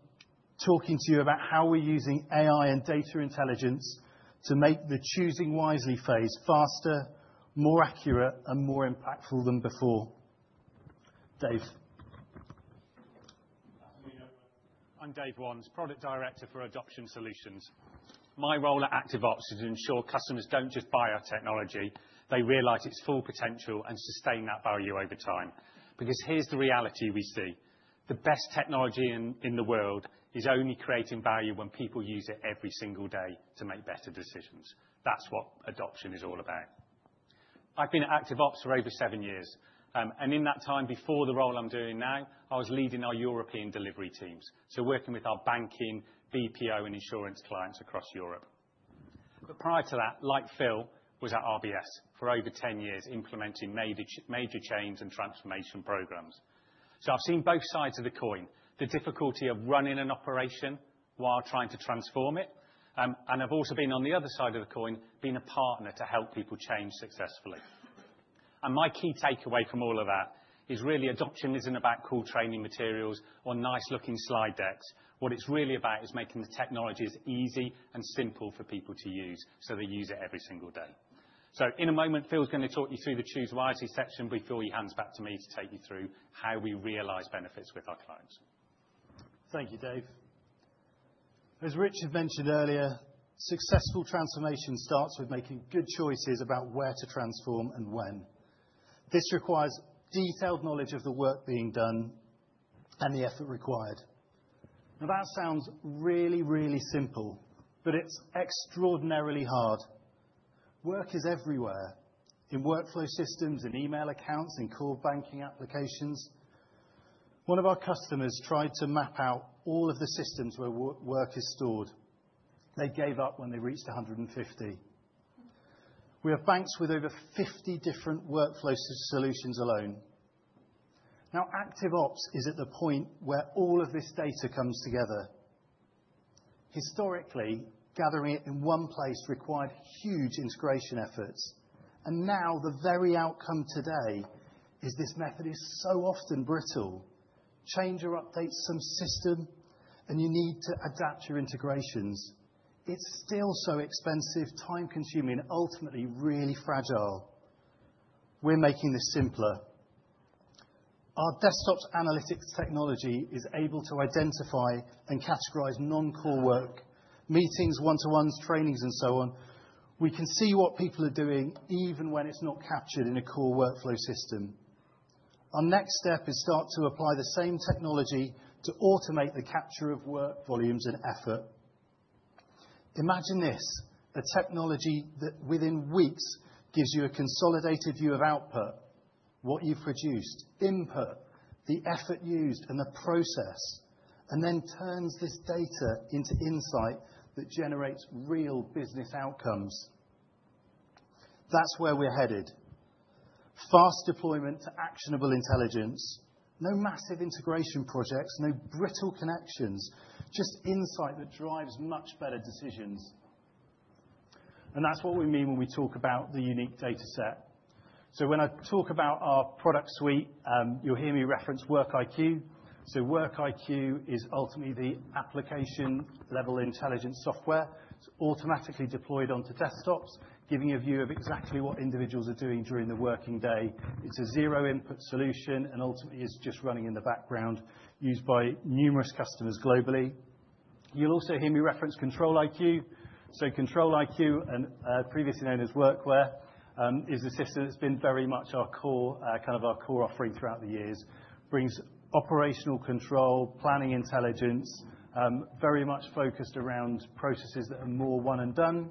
talking to you about how we're using AI and data intelligence to make the choosing wisely phase faster, more accurate, and more impactful than before. Dave? Good afternoon, everyone. I'm Dave Wands, Product Director for Adoption Solutions. My role at ActiveOps is to ensure customers don't just buy our technology, they realize its full potential and sustain that value over time. Here's the reality we see: the best technology in the world is only creating value when people use it every single day to make better decisions. That's what adoption is all about. I've been at ActiveOps for over seven years. In that time, before the role I'm doing now, I was leading our European delivery teams, so working with our banking, BPO, and insurance clients across Europe. Prior to that, like Phil, was at RBS for over 10 years, implementing major change and transformation programs. I've seen both sides of the coin, the difficulty of running an operation while trying to transform it, and I've also been on the other side of the coin, being a partner to help people change successfully. My key takeaway from all of that is really adoption isn't about cool training materials or nice-looking slide decks. What it's really about is making the technologies easy and simple for people to use, so they use it every single day. In a moment, Phil's going to talk you through the choose wisely section, before he hands back to me to take you through how we realize benefits with our clients. Thank you, Dave. As Richard mentioned earlier, successful transformation starts with making good choices about where to transform and when. This requires detailed knowledge of the work being done and the effort required. Now, that sounds really, really simple, but it's extraordinarily hard. Work is everywhere, in workflow systems, in email accounts, in core banking applications. One of our customers tried to map out all of the systems where work is stored. They gave up when they reached 150. We have banks with over 50 different workflow solutions alone. ActiveOps is at the point where all of this data comes together. Historically, gathering it in one place required huge integration efforts, and now the very outcome today is this method is so often brittle. Change or update some system, and you need to adapt your integrations. It's still so expensive, time-consuming, ultimately really fragile. We're making this simpler. Our Desktop Analytics technology is able to identify and categorize non-core work, meetings, one-to-ones, trainings, and so on. We can see what people are doing even when it's not captured in a core workflow system. Our next step is start to apply the same technology to automate the capture of work volumes and effort. Imagine this, a technology that within weeks gives you a consolidated view of output, what you've produced, input, the effort used, and the process, and then turns this data into insight that generates real business outcomes. That's where we're headed. Fast deployment to actionable intelligence. No massive integration projects, no brittle connections, just insight that drives much better decisions. That's what we mean when we talk about the unique data set. When I talk about our product suite, you'll hear me reference WorkiQ. WorkiQ is ultimately the application-level intelligence software. It's automatically deployed onto desktops, giving you a view of exactly what individuals are doing during the working day. It's a zero input solution and ultimately is just running in the background, used by numerous customers globally. You'll also hear me reference ControliQ. ControliQ, and previously known as Workware, is a system that's been very much our core, kind of our core offering throughout the years. Brings operational control, planning intelligence, very much focused around processes that are more one and done.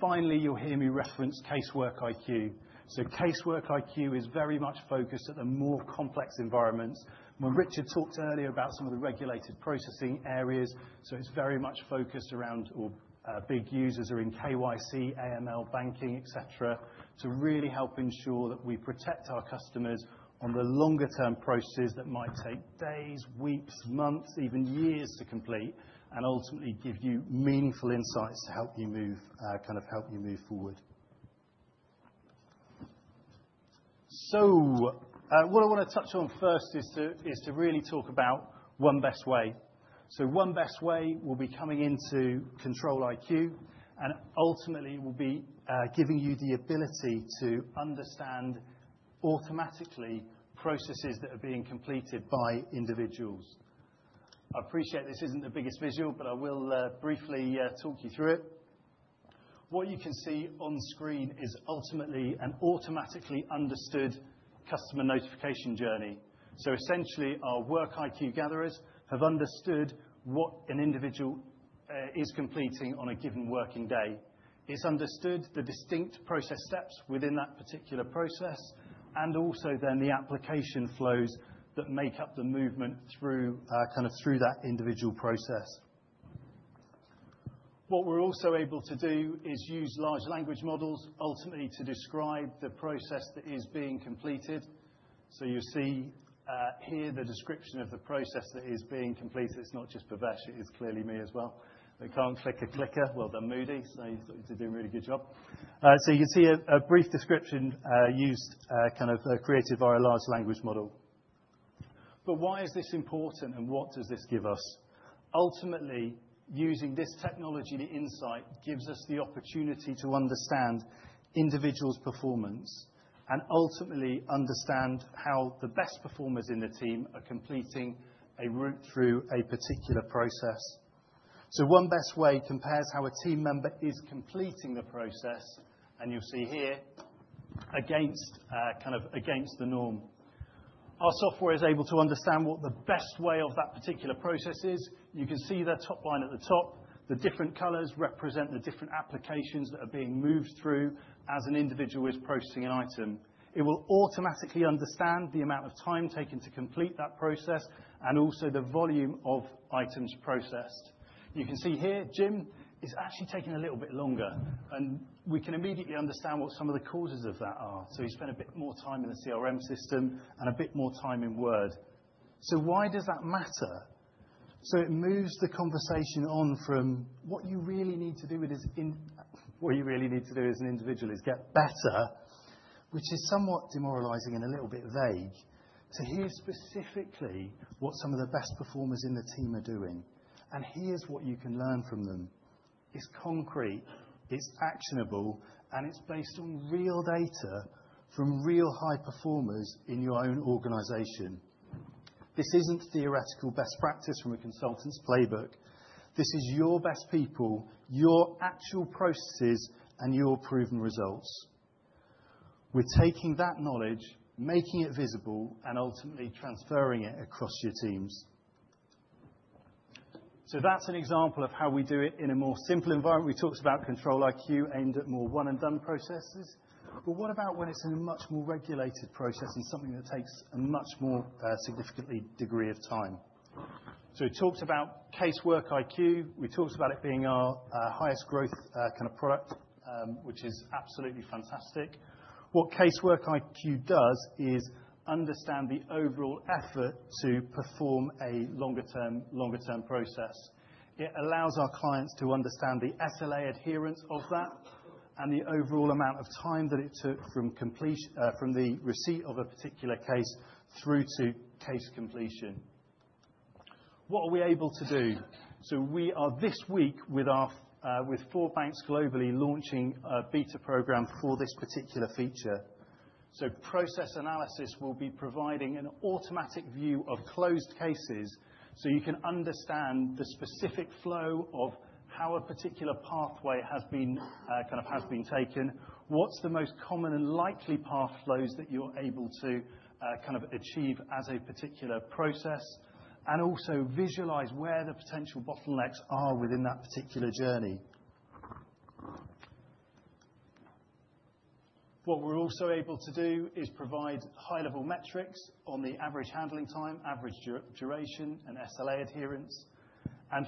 Finally, you'll hear me reference CaseworkiQ. CaseworkiQ is very much focused at the more complex environments. When Richard talked earlier about some of the regulated processing areas, it's very much focused around... or big users are in KYC, AML, banking, et cetera, to really help ensure that we protect our customers on the longer term processes that might take days, weeks, months, even years to complete, and ultimately give you meaningful insights to help you move, kind of help you move forward. What I wanna touch on first is to really talk about One Best Way. One Best Way will be coming into ControliQ, and ultimately will be giving you the ability to understand automatically processes that are being completed by individuals. I appreciate this isn't the biggest visual, but I will briefly talk you through it. What you can see on screen is ultimately an automatically understood customer notification journey. Essentially, our WorkiQ gatherers have understood what an individual is completing on a given working day. It's understood the distinct process steps within that particular process, and also then the application flows that make up the movement through, kind of through that individual process. What we're also able to do is use Large Language Models, ultimately, to describe the process that is being completed. You see, here, the description of the process that is being completed. It's not just Bhavesh, it is clearly me as well. I can't click a clicker. Well done, Moody. You've got to do a really good job. You can see a brief description, used, kind of, created by a Large Language Model. Why is this important, and what does this give us? Ultimately, using this technology, the insight, gives us the opportunity to understand individual's performance and ultimately understand how the best performers in the team are completing a route through a particular process. One Best Way compares how a team member is completing the process, and you'll see here, against, kind of against the norm. Our software is able to understand what the One Best Way of that particular process is. You can see the top line at the top. The different colors represent the different applications that are being moved through as an individual is processing an item. It will automatically understand the amount of time taken to complete that process and also the volume of items processed. You can see here, Jim is actually taking a little bit longer, and we can immediately understand what some of the causes of that are. He spent a bit more time in the CRM system and a bit more time in Word. Why does that matter? It moves the conversation on from what you really need to do as an individual is get better, which is somewhat demoralizing and a little bit vague. Here's specifically what some of the best performers in the team are doing, and here's what you can learn from them. It's concrete, it's actionable, and it's based on real data from real high performers in your own organization. This isn't theoretical best practice from a consultant's playbook. This is your best people, your actual processes, and your proven results. We're taking that knowledge, making it visible, and ultimately transferring it across your teams. That's an example of how we do it in a more simple environment. We talked about ControliQ, aimed at more one-and-done processes. What about when it's a much more regulated process and something that takes a much more significantly degree of time? We talked about CaseworkiQ. We talked about it being our highest growth kind of product, which is absolutely fantastic. What CaseworkiQ does is understand the overall effort to perform a longer term process. It allows our clients to understand the SLA adherence of that and the overall amount of time that it took from the receipt of a particular case through to case completion. What are we able to do? We are, this week, with our, with four banks globally, launching a beta program for this particular feature. Process analysis will be providing an automatic view of closed cases, so you can understand the specific flow of how a particular pathway has been, kind of has been taken. What's the most common and likely path flows that you're able to, kind of achieve as a particular process, and also visualize where the potential bottlenecks are within that particular journey. What we're also able to do is provide high-level metrics on the average handling time, average duration, and SLA adherence.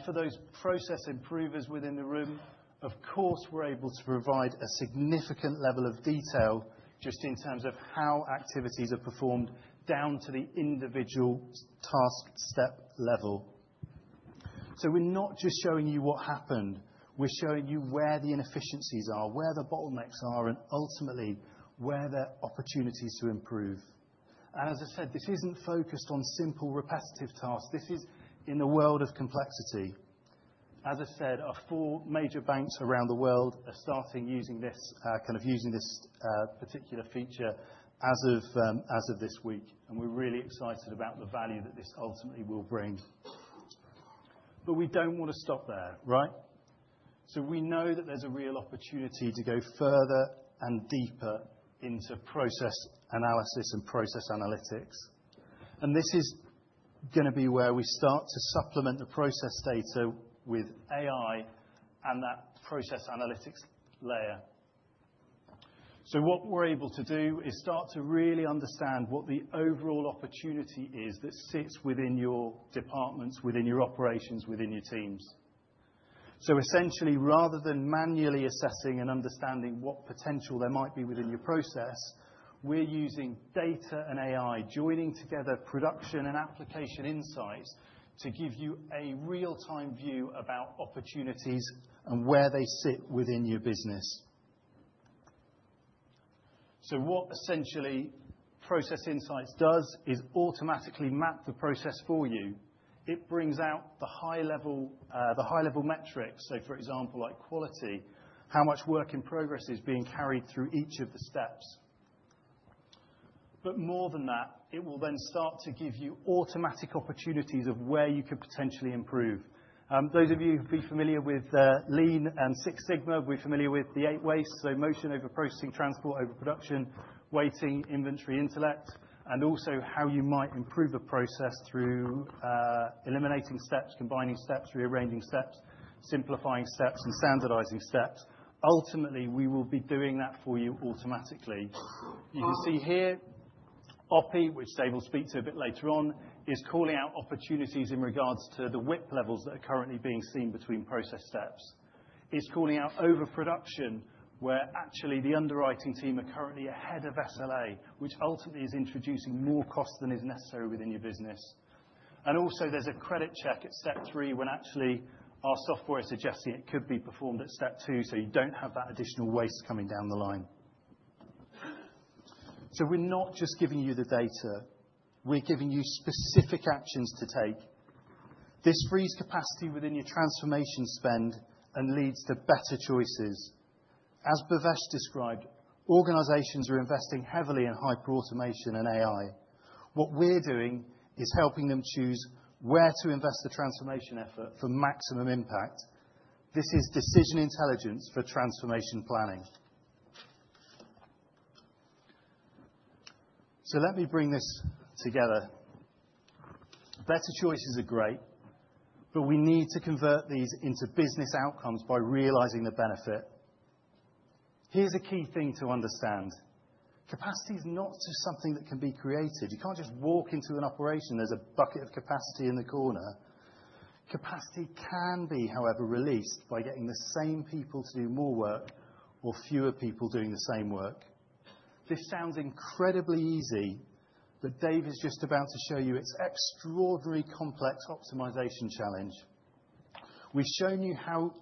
For those process improvers within the room, of course, we're able to provide a significant level of detail just in terms of how activities are performed, down to the individual task step level. We're not just showing you what happened, we're showing you where the inefficiencies are, where the bottlenecks are, and ultimately, where there are opportunities to improve. As I said, this isn't focused on simple, repetitive tasks. This is in the world of complexity. As I said, our four major banks around the world are starting using this, kind of using this particular feature as of this week, we're really excited about the value that this ultimately will bring. We don't want to stop there, right? We know that there's a real opportunity to go further and deeper into process analysis and process analytics. This is gonna be where we start to supplement the process data with AI and that process analytics layer. What we're able to do is start to really understand what the overall opportunity is that sits within your departments, within your operations, within your teams. Essentially, rather than manually assessing and understanding what potential there might be within your process, we're using data and AI, joining together production and application insights to give you a real-time view about opportunities and where they sit within your business. What essentially Process Insights does is automatically map the process for you. It brings out the high level, the high-level metrics. For example, like quality, how much work in progress is being carried through each of the steps. More than that, it will then start to give you automatic opportunities of where you could potentially improve. Those of you who'd be familiar with Lean and Six Sigma, will be familiar with the Eight Wastes, so motion over processing, transport over production, waiting, inventory, intellect, and also how you might improve the process through eliminating steps, combining steps, rearranging steps, simplifying steps, and standardizing steps. Ultimately, we will be doing that for you automatically. You can see here, OPI, which Dave will speak to a bit later on, is calling out opportunities in regards to the WIP levels that are currently being seen between process steps. It's calling out overproduction, where actually the underwriting team are currently ahead of SLA, which ultimately is introducing more cost than is necessary within your business. Also, there's a credit check at step 3, when actually our software is suggesting it could be performed at step 2, so you don't have that additional waste coming down the line. We're not just giving you the data, we're giving you specific actions to take. This frees capacity within your transformation spend and leads to better choices. As Bhavesh described, organizations are investing heavily in hyperautomation and AI. What we're doing is helping them choose where to invest the transformation effort for maximum impact. This is Decision Intelligence for transformation planning. Let me bring this together. Better choices are great, but we need to convert these into business outcomes by realizing the benefit. Here's a key thing to understand. Capacity is not just something that can be created. You can't just walk into an operation, there's a bucket of capacity in the corner. Capacity can be, however, released by getting the same people to do more work or fewer people doing the same work. This sounds incredibly easy, Dave is just about to show you its extraordinarily complex optimization challenge. We've shown you how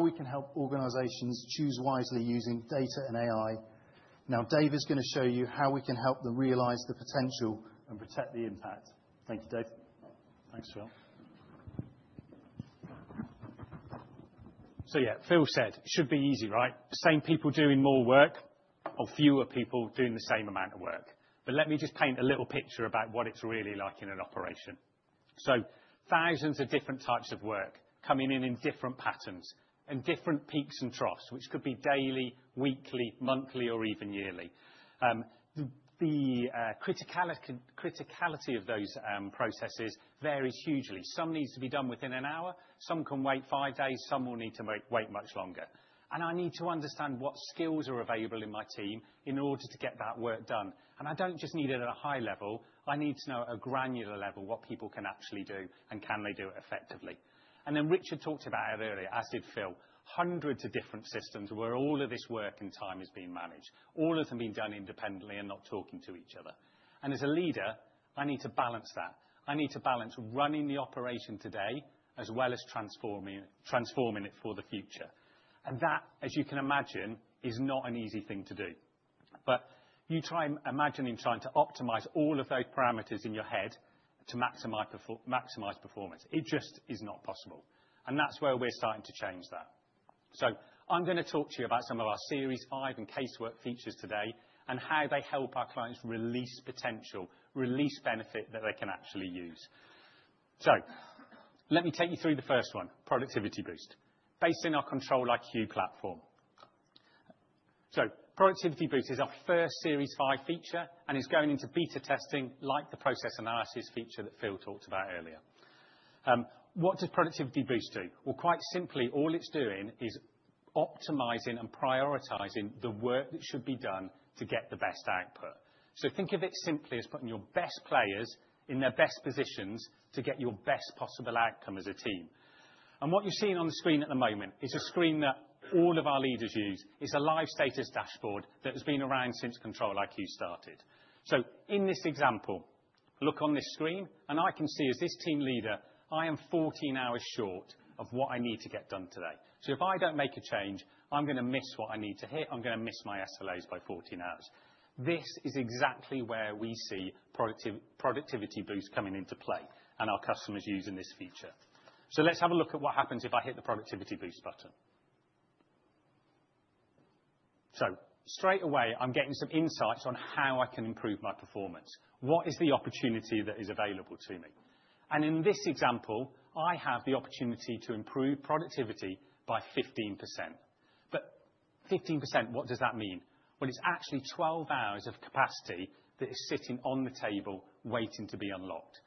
we can help organizations choose wisely using data and AI. Now, Dave is gonna show you how we can help them realize the potential and protect the impact. Thank you, Dave. Thanks, Phil. Yeah, Phil said, should be easy, right? Same people doing more work or fewer people doing the same amount of work. Let me just paint a little picture about what it's really like in an operation. Thousands of different types of work coming in in different patterns and different peaks and troughs, which could be daily, weekly, monthly, or even yearly. The criticality of those processes varies hugely. Some needs to be done within an hour, some can wait five days, some will need to wait much longer. I need to understand what skills are available in my team in order to get that work done. I don't just need it at a high level, I need to know at a granular level what people can actually do and can they do it effectively. Richard talked about it earlier, as did Phil, hundreds of different systems where all of this work and time is being managed, all of them being done independently and not talking to each other. As a leader, I need to balance that. I need to balance running the operation today, as well as transforming it for the future. That, as you can imagine, is not an easy thing to do. You try imagining trying to optimize all of those parameters in your head to maximize performance. It just is not possible, and that's where we're starting to change that. I'm gonna talk to you about some of our Series 5 and Casework features today, and how they help our clients release potential, release benefit that they can actually use. Let me take you through the first one, Productivity Boost, based in our ControliQ platform. Productivity Boost is our first Series 5 feature, and is going into beta testing like the process analysis feature that Phil talked about earlier. What does Productivity Boost do? Well, quite simply, all it's doing is optimizing and prioritizing the work that should be done to get the best output. Think of it simply as putting your best players in their best positions to get your best possible outcome as a team. What you're seeing on the screen at the moment is a screen that all of our leaders use. It's a live status dashboard that has been around since ControliQ started. In this example, look on this screen, and I can see as this team leader, I am 14 hours short of what I need to get done today. If I don't make a change, I'm gonna miss what I need to hit. I'm gonna miss my SLAs by 14 hours. This is exactly where we see Productivity Boost coming into play and our customers using this feature. Let's have a look at what happens if I hit the Productivity Boost button. Straight away, I'm getting some insights on how I can improve my performance. What is the opportunity that is available to me? In this example, I have the opportunity to improve productivity by 15%. Fifteen percent, what does that mean? Well, it's actually 12 hours of capacity that is sitting on the table waiting to be unlocked.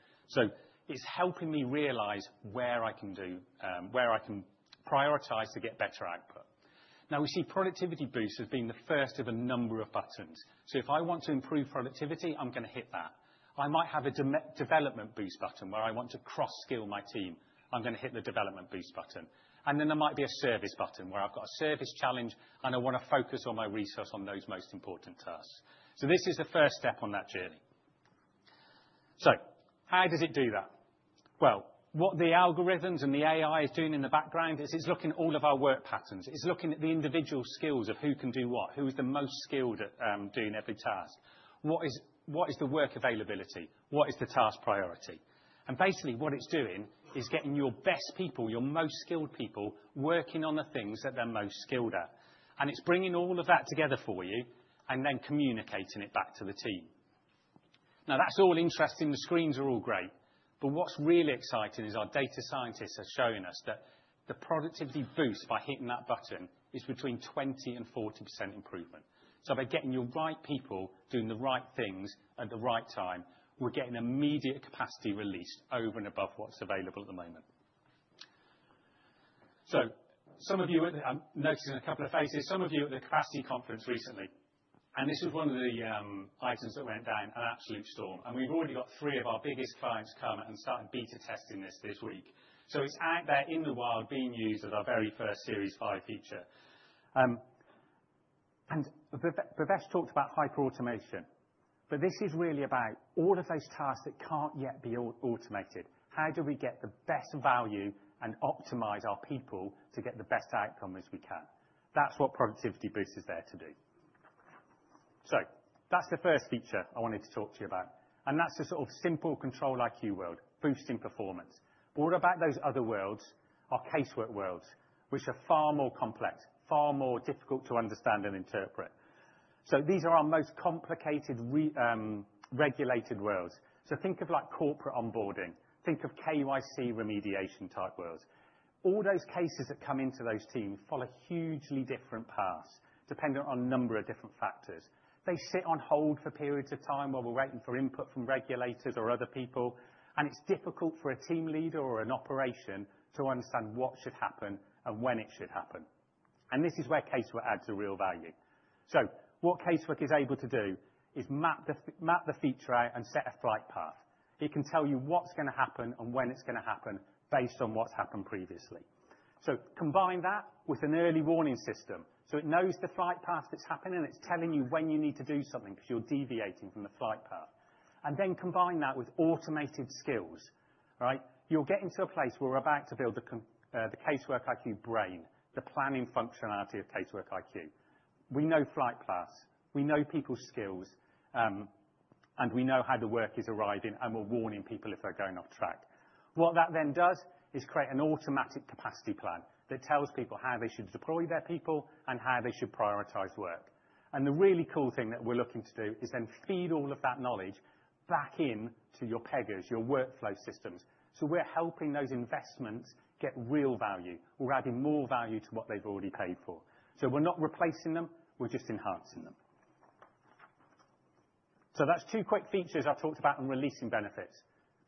It's helping me realize where I can do, where I can prioritize to get better output. We see Productivity Boost as being the first of a number of buttons. If I want to improve productivity, I'm gonna hit that. I might have a development boost button where I want to cross-skill my team. I'm gonna hit the development boost button. Then there might be a service button where I've got a service challenge, and I wanna focus on my resource on those most important tasks. This is the first step on that journey. How does it do that? What the algorithms and the AI is doing in the background is it's looking at all of our work patterns. It's looking at the individual skills of who can do what, who is the most skilled at doing every task. What is the work availability? What is the task priority? Basically, what it's doing is getting your best people, your most skilled people, working on the things that they're most skilled at. It's bringing all of that together for you and then communicating it back to the team. That's all interesting, the screens are all great, but what's really exciting is our data scientists are showing us that the Productivity Boost by hitting that button is between 20% and 40% improvement. By getting your right people doing the right things at the right time, we're getting immediate capacity released over and above what's available at the moment. Some of you, I'm noticing a couple of faces, some of you at the Capacity Conference recently. This was one of the items that went down an absolute storm, and we've already got three of our biggest clients come and start beta testing this this week. It's out there in the wild, being used as our very first Series five feature. Bhavesh talked about Hyperautomation, but this is really about all of those tasks that can't yet be automated. How do we get the best value and optimize our people to get the best outcome as we can? That's what Productivity Boost is there to do. That's the first feature I wanted to talk to you about. That's the sort of simple ControliQ world, boosting performance. What about those other worlds, our Casework worlds, which are far more complex, far more difficult to understand and interpret? These are our most complicated regulated worlds. Think of like corporate onboarding, think of KYC remediation-type worlds. All those cases that come into those teams follow hugely different paths, dependent on a number of different factors. They sit on hold for periods of time while we're waiting for input from regulators or other people, and it's difficult for a team leader or an operation to understand what should happen and when it should happen. This is where Casework adds a real value. What Casework is able to do is map the feature out and set a flight path. It can tell you what's gonna happen and when it's gonna happen, based on what's happened previously. Combine that with an early warning system, so it knows the flight path that's happening, and it's telling you when you need to do something because you're deviating from the flight path. Combine that with automated skills, right? You're getting to a place where we're about to build the CaseworkiQ brain, the planning functionality of CaseworkiQ. We know flight paths, we know people's skills, and we know how the work is arriving, and we're warning people if they're going off track. What that then does is create an automatic capacity plan that tells people how they should deploy their people and how they should prioritize work. The really cool thing that we're looking to do is then feed all of that knowledge back in to your Pega, your workflow systems. We're helping those investments get real value. We're adding more value to what they've already paid for. We're not replacing them, we're just enhancing them. That's two quick features I've talked about on releasing benefits.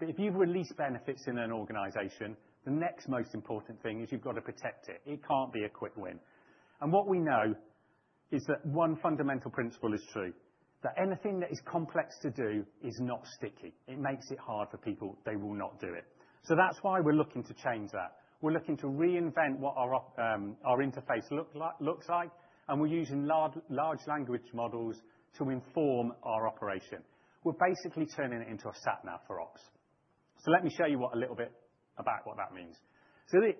If you've released benefits in an organization, the next most important thing is you've got to protect it. It can't be a quick win. What we know is that one fundamental principle is true, that anything that is complex to do is not sticky. It makes it hard for people. They will not do it. That's why we're looking to change that. We're looking to reinvent what our interface looks like, and we're using Large Language Models to inform our operation. We're basically turning it into a sat nav for ops. Let me show you what a little bit about what that means.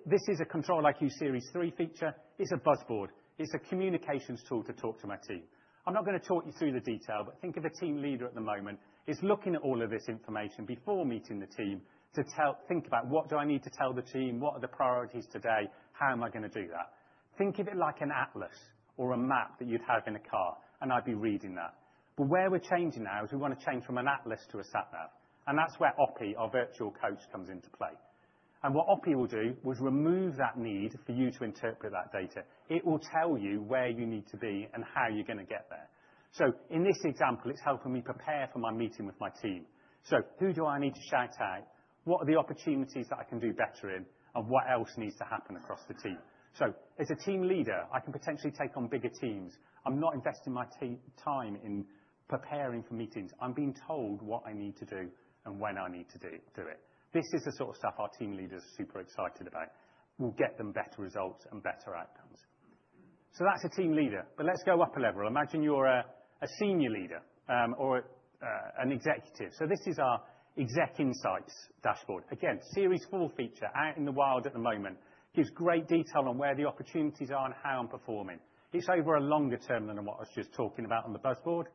This is a ControliQ Series 3 feature. It's a buzz board. It's a communications tool to talk to my team. I'm not gonna talk you through the detail, think of a team leader at the moment is looking at all of this information before meeting the team to tell. Think about: What do I need to tell the team? What are the priorities today? How am I gonna do that? Think of it like an atlas or a map that you'd have in a car, and I'd be reading that. Where we're changing now is we wanna change from an atlas to a sat nav, and that's where OPI, our virtual coach, comes into play. What OPI will do is remove that need for you to interpret that data. It will tell you where you need to be and how you're gonna get there. In this example, it's helping me prepare for my meeting with my team. Who do I need to shout out? What are the opportunities that I can do better in, and what else needs to happen across the team? As a team leader, I can potentially take on bigger teams. I'm not investing my time in preparing for meetings. I'm being told what I need to do and when I need to do it. This is the sort of stuff our team leaders are super excited about. We'll get them better results and better outcomes. That's a team leader, but let's go up a level. Imagine you're a senior leader, or an executive. This is our Exec Insights dashboard. Again, Series 4 feature, out in the wild at the moment. Gives great detail on where the opportunities are and how I'm performing. It's over a longer term than what I was just talking about on the buzz board.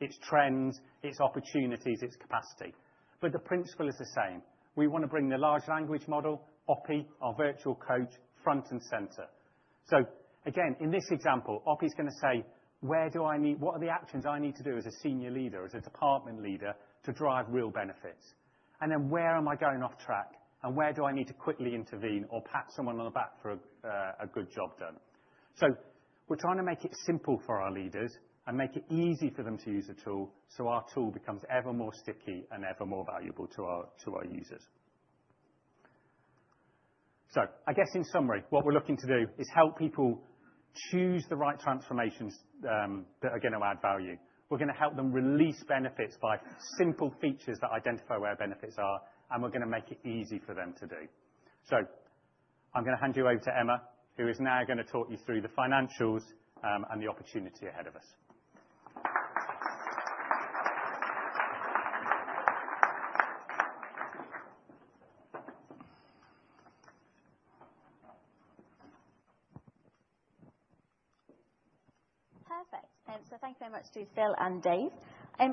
It's trends, it's opportunities, it's capacity, but the principle is the same. We wanna bring the Large Language Model, OPI, our virtual coach, front and center. Again, in this example, OPI's gonna say, "What are the actions I need to do as a senior leader, as a department leader, to drive real benefits? Where am I going off track, and where do I need to quickly intervene or pat someone on the back for a good job done. We're trying to make it simple for our leaders and make it easy for them to use the tool, so our tool becomes ever more sticky and ever more valuable to our users. I guess, in summary, what we're looking to do is help people choose the right transformations that are gonna add value. We're gonna help them release benefits by simple features that identify where benefits are, and we're gonna make it easy for them to do. I'm gonna hand you over to Emma, who is now gonna talk you through the financials and the opportunity ahead of us. Perfect. Thank you very much to Phil and Dave.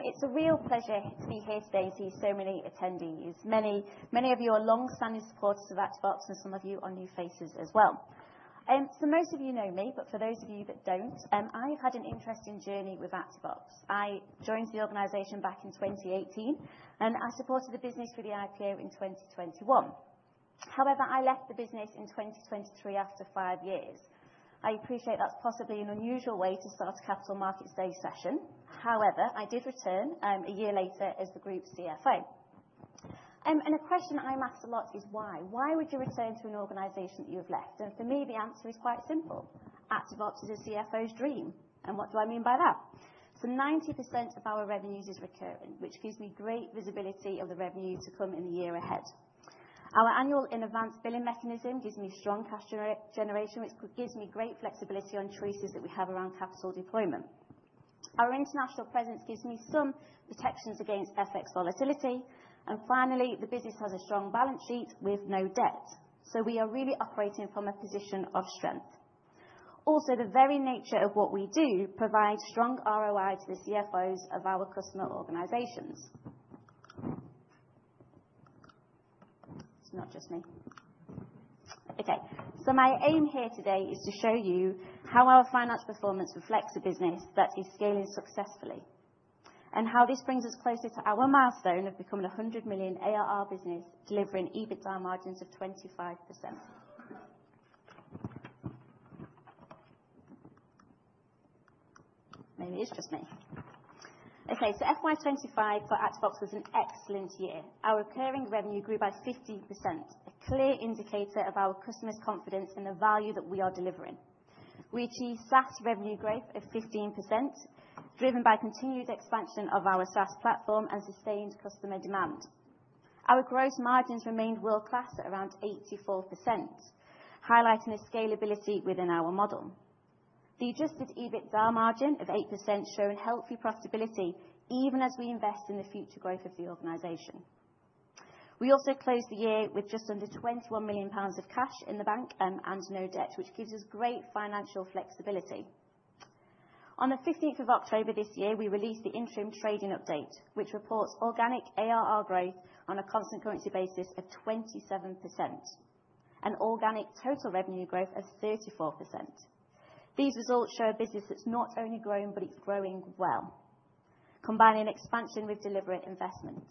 It's a real pleasure to be here today to see so many attendees. Many of you are longstanding supporters of ActiveOps, some of you are new faces as well. Most of you know me, but for those of you that don't, I had an interesting journey with ActiveOps. I joined the organization back in 2018, I supported the business for the IPO in 2021. However, I left the business in 2023 after five years. I appreciate that's possibly an unusual way to start a Capital Markets Day session. However, I did return a year later as the Group CFO. A question I'm asked a lot is why? Why would you return to an organization that you have left? For me, the answer is quite simple: ActiveOps is a CFO's dream. What do I mean by that? 90% of our revenues is recurring, which gives me great visibility of the revenue to come in the year ahead. Our annual in-advanced billing mechanism gives me strong cash generation, which gives me great flexibility on choices that we have around capital deployment. Our international presence gives me some protections against FX volatility. Finally, the business has a strong balance sheet with no debt, so we are really operating from a position of strength. Also, the very nature of what we do provides strong ROI to the CFOs of our customer organizations. It's not just me. My aim here today is to show you how our financial performance reflects a business that is scaling successfully, and how this brings us closer to our milestone of becoming a 100 million ARR business, delivering EBITDA margins of 25%. Maybe it's just me. FY25 for ActiveOps was an excellent year. Our recurring revenue grew by 15%, a clear indicator of our customers' confidence in the value that we are delivering. We achieved SaaS revenue growth of 15%, driven by continued expansion of our SaaS platform and sustained customer demand. Our gross margins remained world-class at around 84%, highlighting the scalability within our model. The adjusted EBITDA margin of 8% shown healthy profitability, even as we invest in the future growth of the organization. We also closed the year with just under 21 million pounds of cash in the bank and no debt, which gives us great financial flexibility. On the 15th of October this year, we released the interim trading update, which reports organic ARR growth on a constant currency basis of 27% and organic total revenue growth of 34%. These results show a business that's not only growing, but it's growing well, combining expansion with deliberate investment.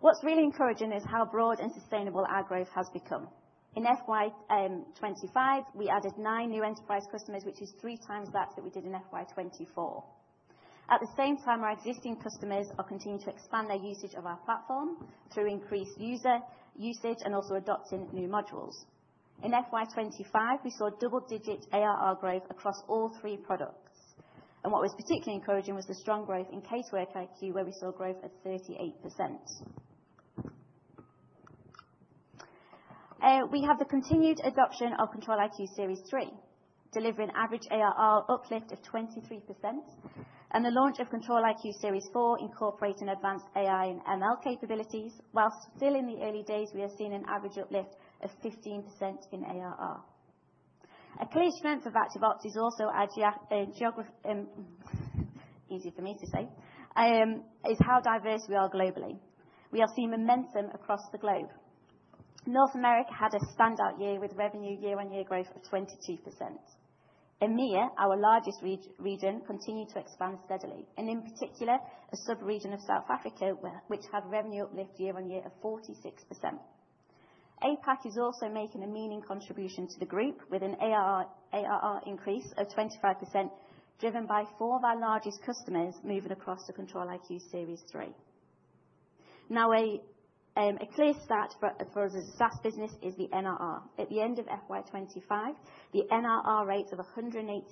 What's really encouraging is how broad and sustainable our growth has become. In FY 2025, we added nine new enterprise customers, which is 3x that we did in FY 2024. At the same time, our existing customers are continuing to expand their usage of our platform through increased user usage and also adopting new modules. In FY25, we saw double-digit ARR growth across all three products, and what was particularly encouraging was the strong growth in CaseworkiQ, where we saw growth at 38%. We have the continued adoption of ControliQ Series 3, delivering average ARR uplift of 23%, and the launch of ControliQ Series 4, incorporating advanced AI and ML capabilities. Whilst still in the early days, we have seen an average uplift of 15% in ARR. A key strength of ActiveOps is also our geo, easy for me to say, is how diverse we are globally. We are seeing momentum across the globe. North America had a standout year with revenue year-on-year growth of 22%. EMEA, our largest region, continued to expand steadily, and in particular, a sub-region of South Africa, which had revenue uplift year-on-year of 46%. APAC is also making a meaning contribution to the group with an ARR increase of 25%, driven by four of our largest customers moving across to ControliQ Series 3. A clear stat for the SaaS business is the NRR. At the end of FY25, the NRR rate of 108%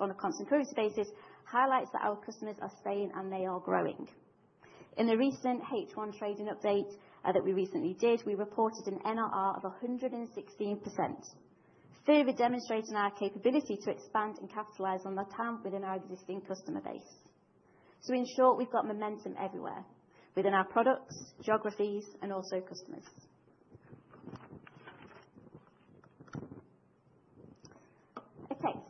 on a constant currency basis highlights that our customers are staying and they are growing. In the recent H1 trading update that we recently did, we reported an NRR of 116%, further demonstrating our capability to expand and capitalize on the TAM within our existing customer base. In short, we've got momentum everywhere, within our products, geographies, and also customers.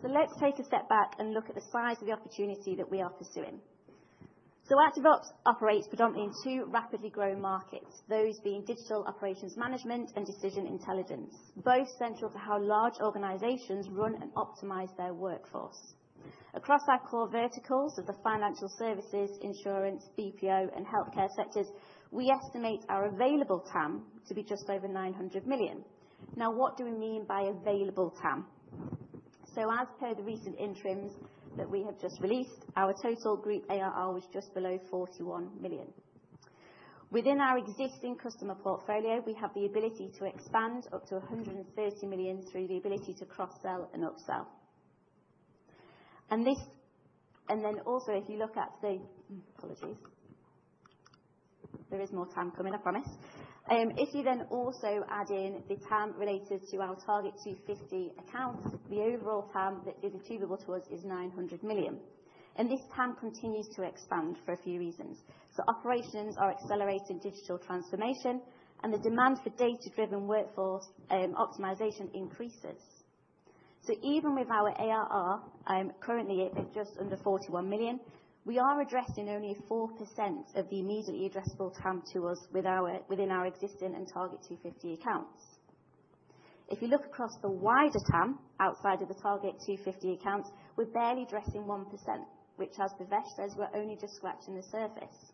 Let's take a step back and look at the size of the opportunity that we are pursuing. ActiveOps operates predominantly in two rapidly growing markets, those being Digital Operations Management and Decision Intelligence, both central to how large organizations run and optimize their workforce. Across our core verticals of the financial services, insurance, BPO, and healthcare sectors, we estimate our available TAM to be just over 900 million. What do we mean by available TAM? As per the recent interims that we have just released, our total group ARR was just below 41 million. Within our existing customer portfolio, we have the ability to expand up to 130 million through the ability to cross-sell and upsell. Also, if you look at the... Apologies. There is more TAM coming, I promise. If you then also add in the TAM related to our Target 250 accounts, the overall TAM that is achievable to us is 900 million. This TAM continues to expand for a few reasons. Operations are accelerating digital transformation, and the demand for data-driven workforce optimization increases. Even with our ARR, currently at just under 41 million, we are addressing only 4% of the immediately addressable TAM to us within our existing and Target 250 accounts. If you look across the wider TAM, outside of the Target 250 accounts, we're barely addressing 1%, which as Bhavesh says, we're only just scratching the surface.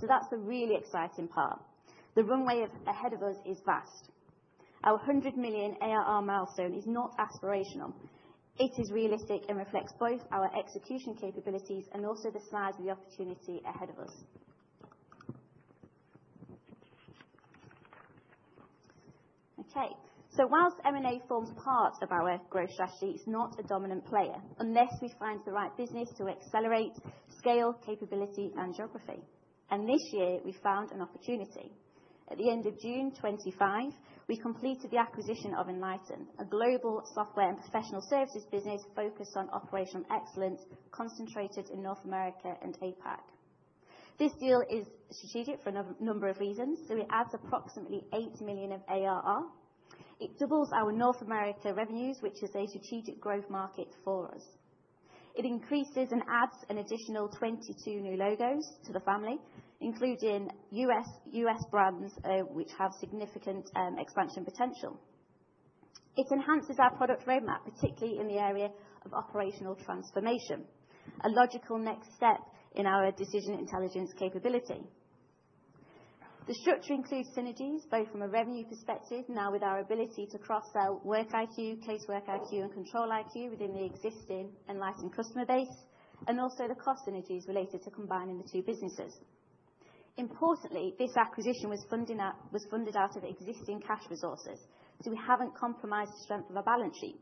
That's the really exciting part. The runway of ahead of us is vast. Our 100 million ARR milestone is not aspirational, it is realistic and reflects both our execution capabilities and also the size of the opportunity ahead of us. Whilst M&A forms part of our growth strategy, it's not a dominant player, unless we find the right business to accelerate scale, capability, and geography. This year, we found an opportunity. At the end of June 2025, we completed the acquisition of Enlighten, a global software and professional services business focused on operational excellence, concentrated in North America and APAC. This deal is strategic for a number of reasons. It adds approximately 8 million of ARR. It doubles our North America revenues, which is a strategic growth market for us. It increases and adds an additional 22 new logos to the family, including U.S., U.S. brands, which have significant expansion potential. It enhances our product roadmap, particularly in the area of operational transformation, a logical next step in our Decision Intelligence capability. The structure includes synergies, both from a revenue perspective, now with our ability to cross-sell WorkiQ, CaseworkiQ, and ControliQ within the existing Enlighten customer base, and also the cost synergies related to combining the two businesses. Importantly, this acquisition was funded out of existing cash resources. We haven't compromised the strength of our balance sheet.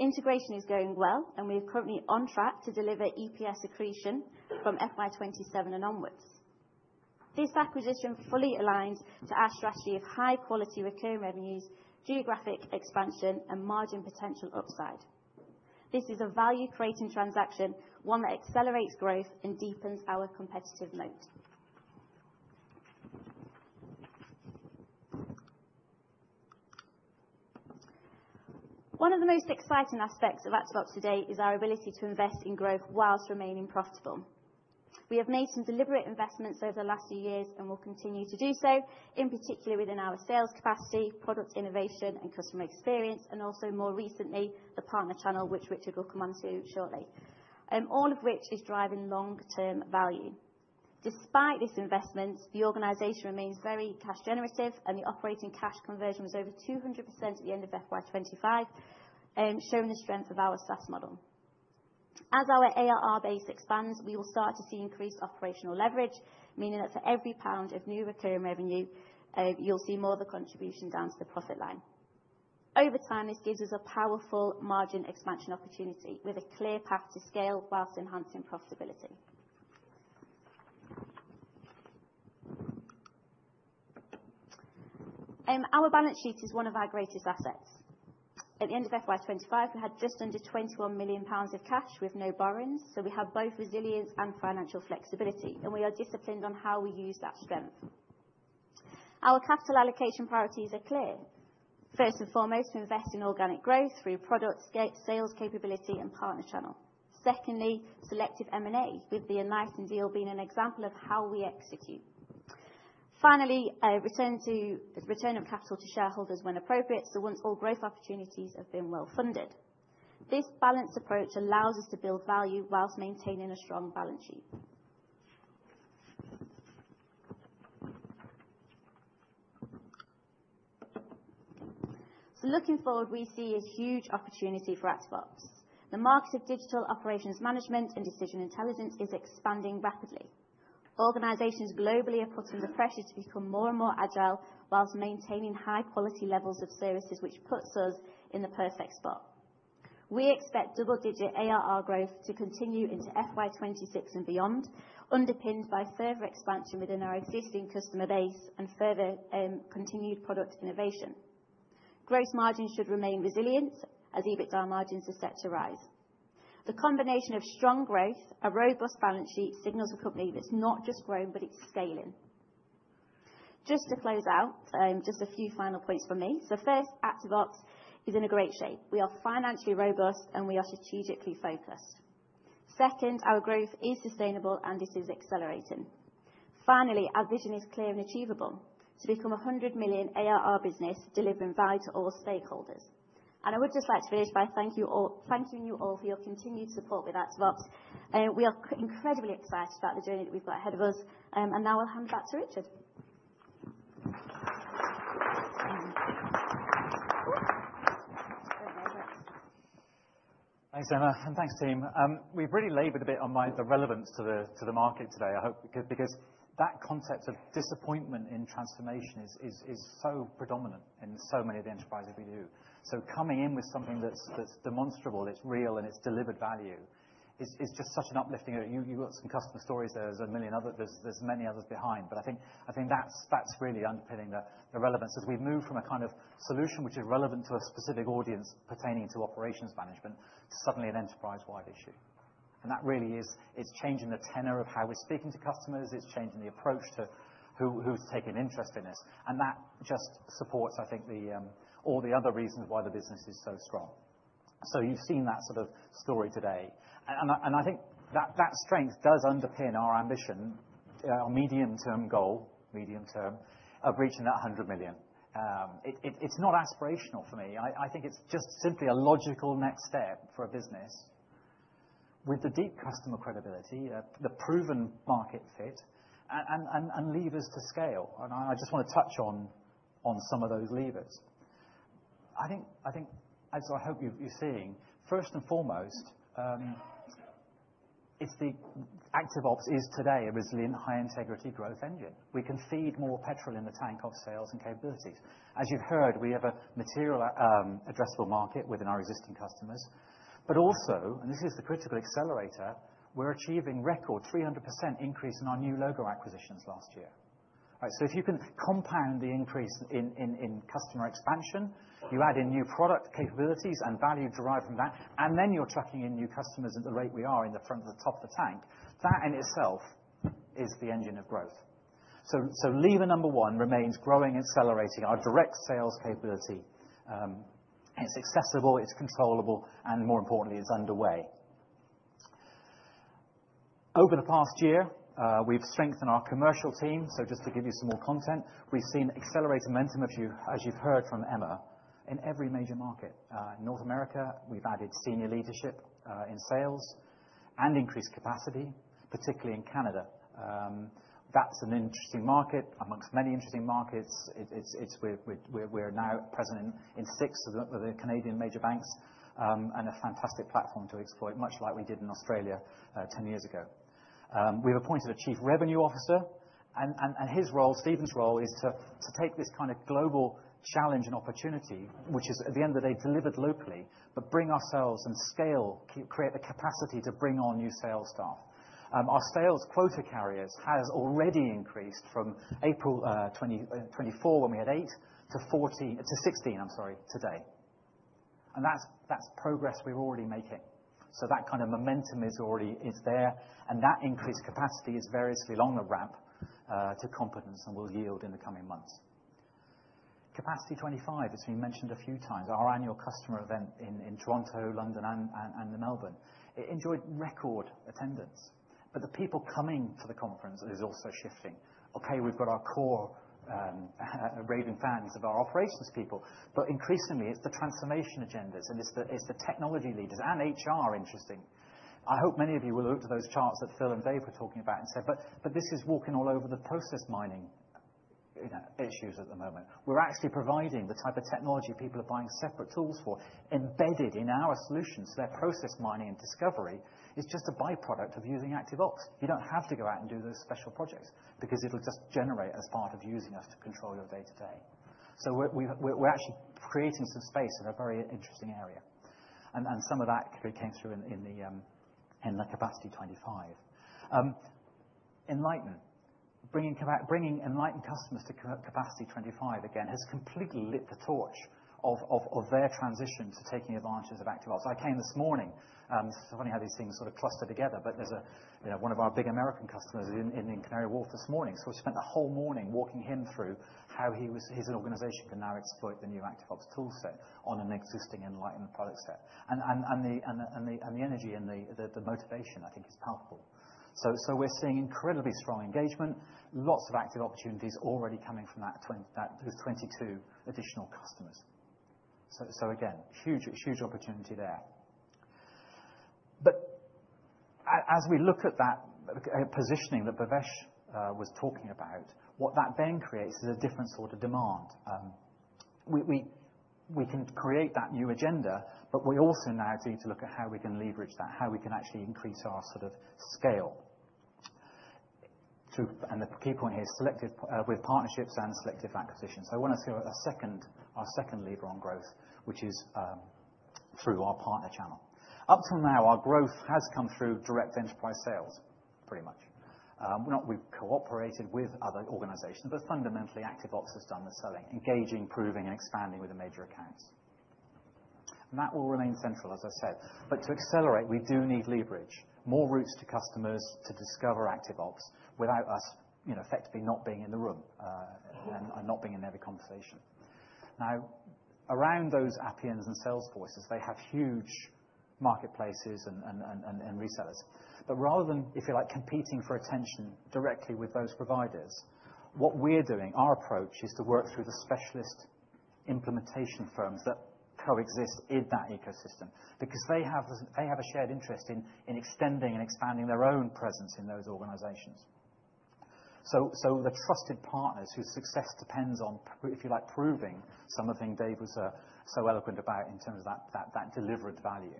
Integration is going well, and we are currently on track to deliver EPS accretion from FY27 and onwards. This acquisition fully aligns to our strategy of high-quality recurring revenues, geographic expansion, and margin potential upside. This is a value-creating transaction, one that accelerates growth and deepens our competitive moat. One of the most exciting aspects of ActiveOps to date is our ability to invest in growth while remaining profitable. We have made some deliberate investments over the last few years and will continue to do so, in particular within our sales capacity, product innovation, and customer experience, and also more recently, the partner channel, which Richard will come onto shortly, all of which is driving long-term value. Despite these investments, the organization remains very cash generative, and the operating cash conversion was over 200% at the end of FY25, showing the strength of our SaaS model. As our ARR base expands, we will start to see increased operational leverage, meaning that for every pound of new recurring revenue, you'll see more of the contribution down to the profit line. Over time, this gives us a powerful margin expansion opportunity with a clear path to scale whilst enhancing profitability. Our balance sheet is one of our greatest assets. At the end of FY25, we had just under 21 million pounds of cash with no borrowings. We have both resilience and financial flexibility, and we are disciplined on how we use that strength. Our capital allocation priorities are clear. First and foremost, we invest in organic growth through product scale, sales capability, and partner channel. Secondly, selective M&As, with the Enlighten deal being an example of how we execute. Finally, return of capital to shareholders when appropriate. Once all growth opportunities have been well funded, this balanced approach allows us to build value whilst maintaining a strong balance sheet. Looking forward, we see a huge opportunity for ActiveOps. The market of Digital Operations Management and Decision Intelligence is expanding rapidly. Organizations globally are putting the pressure to become more and more agile whilst maintaining high quality levels of services, which puts us in the perfect spot. We expect double-digit ARR growth to continue into FY26 and beyond, underpinned by further expansion within our existing customer base and further, continued product innovation. Growth margins should remain resilient as EBITDA margins are set to rise. The combination of strong growth, a robust balance sheet, signals a company that's not just growing, but it's scaling. Just to close out, just a few final points from me. First, ActiveOps is in a great shape. We are financially robust, and we are strategically focused. Second, our growth is sustainable, and it is accelerating. Finally, our vision is clear and achievable: to become a 100 million ARR business, delivering value to all stakeholders. I would just like to finish by thanking you all for your continued support with ActiveOps. We are incredibly excited about the journey that we've got ahead of us. Now I'll hand it back to Richard. Thanks, Emma, thanks, team. We've really labored a bit on the relevance to the market today. I hope because that concept of disappointment in transformation is so predominant in so many of the enterprises we do. Coming in with something that's demonstrable, it's real, and it's delivered value is just such an uplifting. You got some customer stories there. There's many others behind, but I think that's really underpinning the relevance as we've moved from a kind of solution which is relevant to a specific audience pertaining to operations management, suddenly an enterprise-wide issue. That really, it's changing the tenor of how we're speaking to customers. It's changing the approach to who's taking an interest in this, that just supports, I think, the all the other reasons why the business is so strong. You've seen that sort of story today, and I think that strength does underpin our ambition, our medium-term goal of reaching that 100 million. It's not aspirational for me. I think it's just simply a logical next step for a business with the deep customer credibility, the proven market fit and levers to scale. I just want to touch on some of those levers. I think as I hope you're seeing, first and foremost, it's the ActiveOps is today a resilient, high-integrity growth engine. We can feed more petrol in the tank of sales and capabilities. As you've heard, we have a material addressable market within our existing customers, but also, and this is the critical accelerator, we're achieving record 300% increase in our new logo acquisitions last year. If you can compound the increase in customer expansion, you add in new product capabilities and value derived from that, and then you're chucking in new customers at the rate we are in the front of the top of the tank. That in itself is the engine of growth. Lever number one remains growing and accelerating our direct sales capability. It's accessible, it's controllable, and more importantly, it's underway. Over the past year, we've strengthened our commercial team. Just to give you some more content, we've seen accelerated momentum as you've heard from Emma, in every major market. North America, we've added senior leadership in sales and increased capacity, particularly in Canada. That's an interesting market amongst many interesting markets. We're now present in six of the Canadian major banks and a fantastic platform to exploit, much like we did in Australia 10 years ago. We appointed a Chief Revenue Officer, and his role, Stephen's role, is to take this kind of global challenge and opportunity, which is, at the end of the day, delivered locally, but bring ourselves and scale, create the capacity to bring on new sales staff. Our sales quota carriers has already increased from April 2024, when we had eight-16 today. That's progress we're already making. That kind of momentum is already, is there, and that increased capacity is variously along the ramp to competence and will yield in the coming months. Capacity25, as we mentioned a few times, our annual customer event in Toronto, London, and Melbourne. It enjoyed record attendance, the people coming to the conference is also shifting. We've got our core raving fans of our operations people, but increasingly it's the transformation agendas, and it's the technology leaders and HR interesting. I hope many of you will look to those charts that Phil and Dave were talking about and said, "But this is walking all over the process mining, you know, issues at the moment." We're actually providing the type of technology people are buying separate tools for, embedded in our solutions. Their process mining and discovery is just a by-product of using ActiveOps. You don't have to go out and do those special projects because it'll just generate as part of using us to control your day-to-day. We're actually creating some space in a very interesting area. Some of that actually came through in the Capacity25. Enlighten. Bringing Enlighten customers to Capacity25 again, has completely lit the torch of their transition to taking advantages of ActiveOps. I came this morning, it's funny how these things sort of cluster together, but there's a, you know, one of our big American customers in Canary Wharf this morning. We spent the whole morning walking him through how his organization can now exploit the new ActiveOps toolset on an existing Enlighten product set. The energy and the motivation, I think, is powerful. We're seeing incredibly strong engagement, lots of active opportunities already coming from that 22 additional customers. Again, huge opportunity there. As we look at that positioning that Bhavesh was talking about, what that then creates is a different sort of demand. We can create that new agenda, but we also now need to look at how we can leverage that, how we can actually increase our sort of scale. And the key point here, selective with partnerships and selective acquisitions. I want to talk about a second, our second lever on growth, which is through our partner channel. Up till now, our growth has come through direct enterprise sales, pretty much. We've cooperated with other organizations, but fundamentally, ActiveOps has done the selling, engaging, proving, and expanding with the major accounts. That will remain central, as I said. To accelerate, we do need leverage, more routes to customers to discover ActiveOps without us, you know, effectively not being in the room, and not being in every conversation. Around those Appian and Salesforce, they have huge marketplaces and resellers. Rather than, if you like, competing for attention directly with those providers, what we're doing, our approach, is to work through the specialist implementation firms that coexist in that ecosystem, because they have a shared interest in extending and expanding their own presence in those organizations. The trusted partners whose success depends on, if you like, proving some of the things Dave was so eloquent about in terms of that delivered value.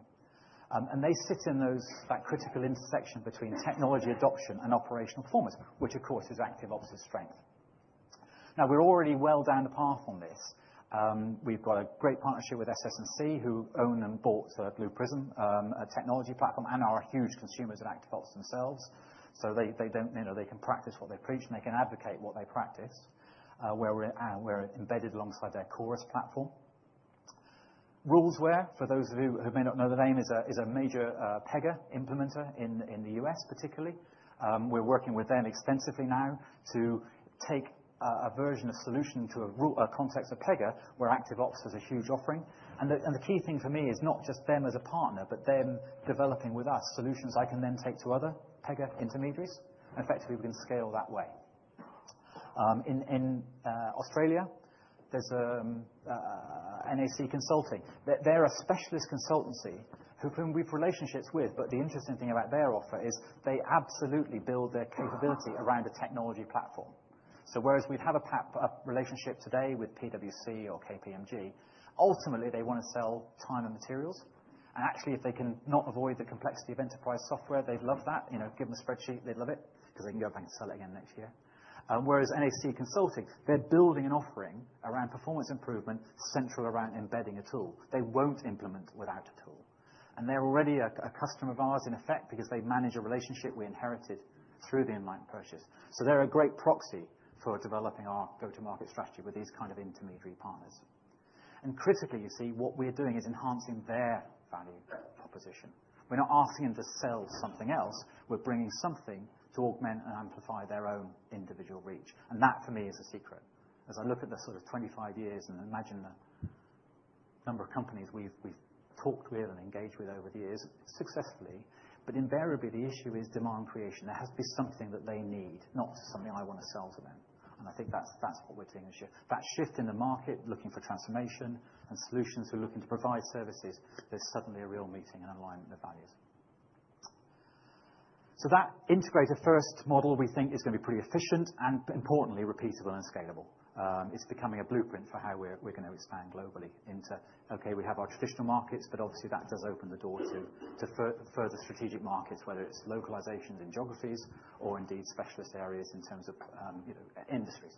They sit in those, that critical intersection between technology adoption and operational performance, which of course, is ActiveOps's strength. We're already well down the path on this. We've got a great partnership with SS&C, who own and bought Blue Prism, a technology platform, and are huge consumers of ActiveOps themselves. They don't, you know, they can practice what they preach, and they can advocate what they practice, where we're at, we're embedded alongside their Chorus platform. Rulesware, for those of you who may not know the name, is a major Pega implementer in the US particularly. We're working with them extensively now to take a version of solution to a rule, a context of Pega, where ActiveOps is a huge offering. The key thing for me is not just them as a partner, but them developing with us solutions I can then take to other Pega intermediaries. Effectively, we can scale that way. In Australia, there's NAC Consulting. They're a specialist consultancy whom we've relationships with. The interesting thing about their offer is they absolutely build their capability around a technology platform. Whereas we'd have a relationship today with PwC or KPMG, ultimately, they want to sell time and materials. Actually, if they can not avoid the complexity of enterprise software, they'd love that. You know, give them a spreadsheet, they'd love it, because they can go back and sell it again next year. Whereas NAC Consulting, they're building an offering around performance improvement, central around embedding a tool. They won't implement without a tool. They're already a customer of ours, in effect, because they manage a relationship we inherited through the Enlighten purchase. They're a great proxy for developing our go-to-market strategy with these kind of intermediary partners. Critically, you see, what we're doing is enhancing their value proposition. We're not asking them to sell something else. We're bringing something to augment and amplify their own individual reach. That, for me, is the secret. As I look at the sort of 25 years and imagine the number of companies we've talked with and engaged with over the years successfully, invariably, the issue is demand creation. There has to be something that they need, not something I want to sell to them. I think that's what we're seeing, a shift. That shift in the market, looking for transformation and solutions, we're looking to provide services, there's suddenly a real meeting and alignment of values. That integrator-first model, we think, is going to be pretty efficient and importantly, repeatable and scalable. It's becoming a blueprint for how we're going to expand globally into, okay, we have our traditional markets, but obviously, that does open the door to further strategic markets, whether it's localizations in geographies or indeed, specialist areas in terms of, you know, industries.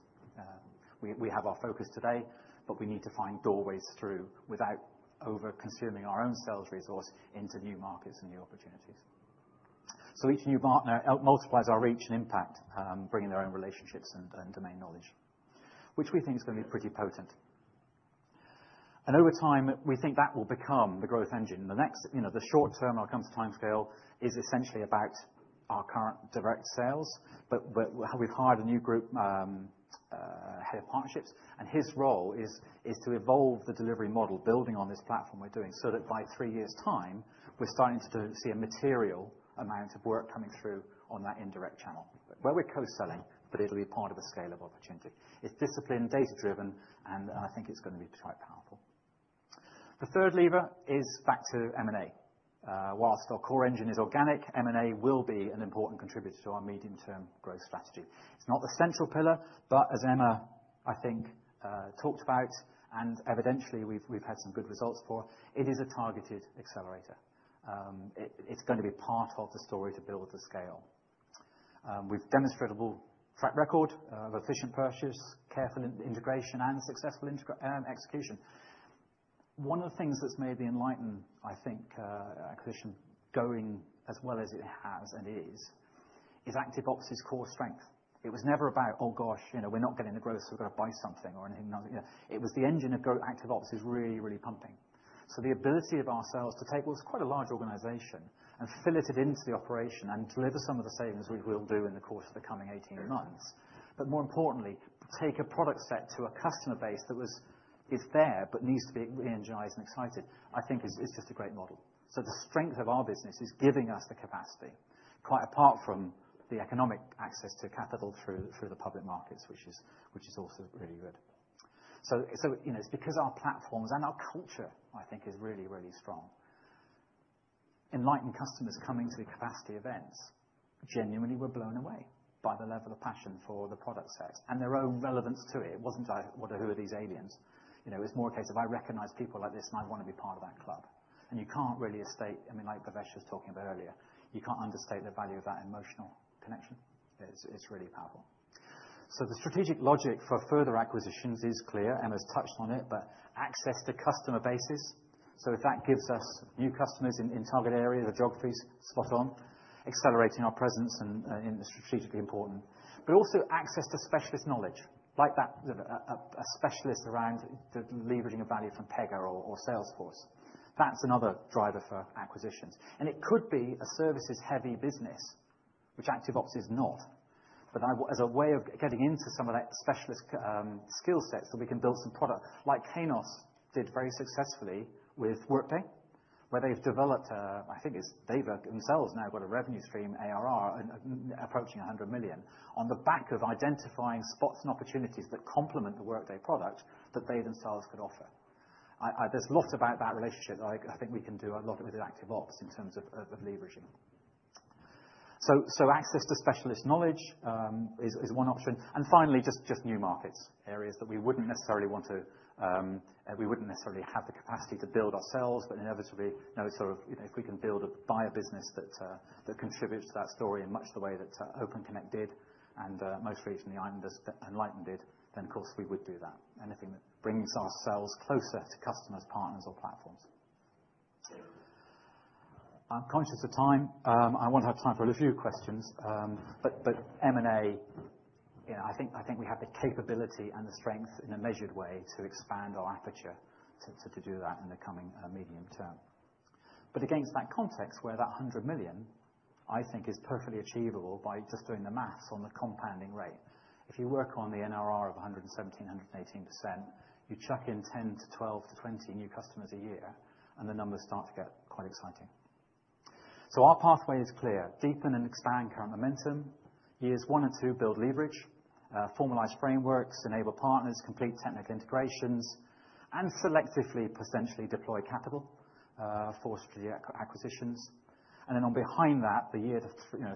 We have our focus today, but we need to find doorways through without over-consuming our own sales resource into new markets and new opportunities. So each new partner multiplies our reach and impact, bringing their own relationships and domain knowledge, which we think is going to be pretty potent. And over time, we think that will become the growth engine. The next, you know, the short-term when it comes to timescale, is essentially about our current direct sales, but we've hired a new group head of partnerships, and his role is to evolve the delivery model building on this platform we're doing, so that by three years' time, we're starting to see a material amount of work coming through on that indirect channel. Where we're co-selling, but it'll be part of a scale of opportunity. It's disciplined, data-driven, and I think it's going to be quite powerful. The third lever is back to M&A. Whilst our core engine is organic, M&A will be an important contributor to our medium-term growth strategy. It's not the central pillar, but as Emma, I think, talked about, and evidentially, we've had some good results for, it is a targeted accelerator. It's going to be part of the story to build the scale. We've demonstrable track record of efficient purchase, careful integration, and successful execution. One of the things that's made the Enlighten, I think, acquisition going as well as it has and is ActiveOps' core strength. It was never about, Oh, gosh, you know, we're not getting the growth, we've got to buy something, or anything, yeah. It was the engine of growth ActiveOps is really, really pumping. The ability of ourselves to take what was quite a large organization and fill it into the operation and deliver some of the savings we will do in the course of the coming 18 months. More importantly, take a product set to a customer base that is there, but needs to be reenergized and excited, I think is just a great model. The strength of our business is giving us the capacity, quite apart from the economic access to capital through the public markets, which is also really good. You know, it's because our platforms and our culture, I think, is really strong. Enlighten customers coming to the Capacity25 events genuinely were blown away by the level of passion for the product sets and their own relevance to it. It wasn't like, well, who are these aliens? You know, it was more a case of, I recognize people like this, and I want to be part of that club. You can't really I mean, like Bhavesh was talking about earlier, you can't understate the value of that emotional connection. It's really powerful. The strategic logic for further acquisitions is clear, Emma's touched on it, but access to customer bases. If that gives us new customers in target areas, the geography is spot on, accelerating our presence and strategically important. Also access to specialist knowledge like that, a specialist around the leveraging of value from Pega or Salesforce. That's another driver for acquisitions. It could be a services-heavy business, which ActiveOps is not. As a way of getting into some of that specialist skill sets, so we can build some product, like Kainos did very successfully with Workday, where they've developed a, I think it's they've themselves now got a revenue stream, ARR, approaching 100 million, on the back of identifying spots and opportunities that complement the Workday product that they themselves could offer. There's lots about that relationship. I think we can do a lot with ActiveOps in terms of leveraging. So access to specialist knowledge is one option. Finally, just new markets. Areas that we wouldn't necessarily want to, we wouldn't necessarily have the capacity to build ourselves. Inevitably, you know, sort of if we can buy a business that contributes to that story in much the way that OpenConnect did, and most recently, Enlighten did, then, of course, we would do that. Anything that brings ourselves closer to customers, partners, or platforms. I'm conscious of time. I won't have time for a lot of few questions. M&A, you know, I think, I think we have the capability and the strength in a measured way to expand our aperture, so to do that in the coming, medium term. Against that context, where that 100 million, I think, is perfectly achievable by just doing the math on the compounding rate. If you work on the NRR of 117%-118%, you chuck in 10-12 to 20 new customers a year, and the numbers start to get quite exciting. Our pathway is clear: deepen and expand current momentum. Years one and two, build leverage, formalize frameworks, enable partners, complete technical integrations, and selectively, potentially deploy capital for strategic acquisitions. On behind that, the year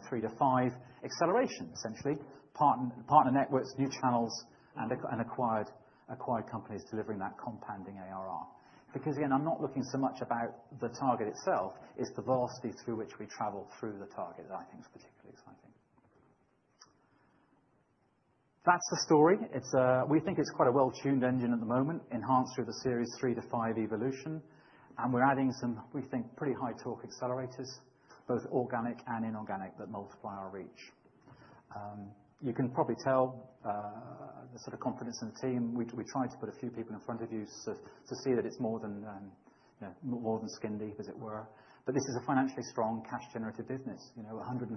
three-five, acceleration, essentially, partner networks, new channels, and acquired companies delivering that compounding ARR. Again, I'm not looking so much about the target itself, it's the velocity through which we travel through the target that I think is particularly exciting. That's the story. It's, we think it's quite a well-tuned engine at the moment, enhanced through the Series 3-5 evolution. We're adding some, we think, pretty high torque accelerators, both organic and inorganic, that multiply our reach. You can probably tell the sort of confidence in the team. We tried to put a few people in front of you so to see that it's more than, you know, more than skin deep, as it were. This is a financially strong cash generative business, you know, 115%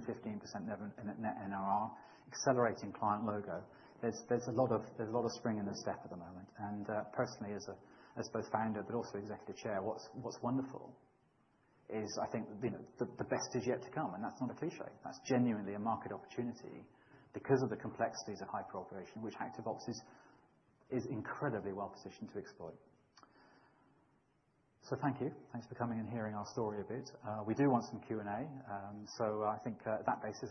net NRR, accelerating client logo. There's a lot of spring in the step at the moment. Personally, as both founder but also Executive Chair, what's wonderful is, I think, you know, the best is yet to come. That's not a cliché. That's genuinely a market opportunity because of the complexities of hyper-operation, which ActiveOps is incredibly well positioned to exploit. Thank you. Thanks for coming and hearing our story a bit. We do want some Q&A. I think on that basis,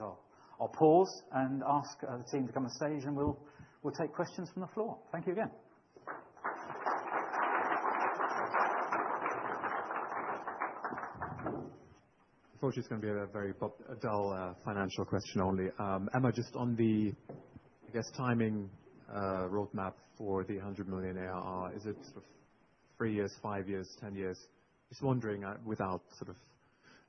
I'll pause and ask the team to come on stage, and we'll take questions from the floor. Thank you again. Unfortunately, it's going to be a very a dull, financial question only. Emma, just on the, I guess, timing, roadmap for the 100 million ARR, is it three years, five years, 10 years? Just wondering, without sort of,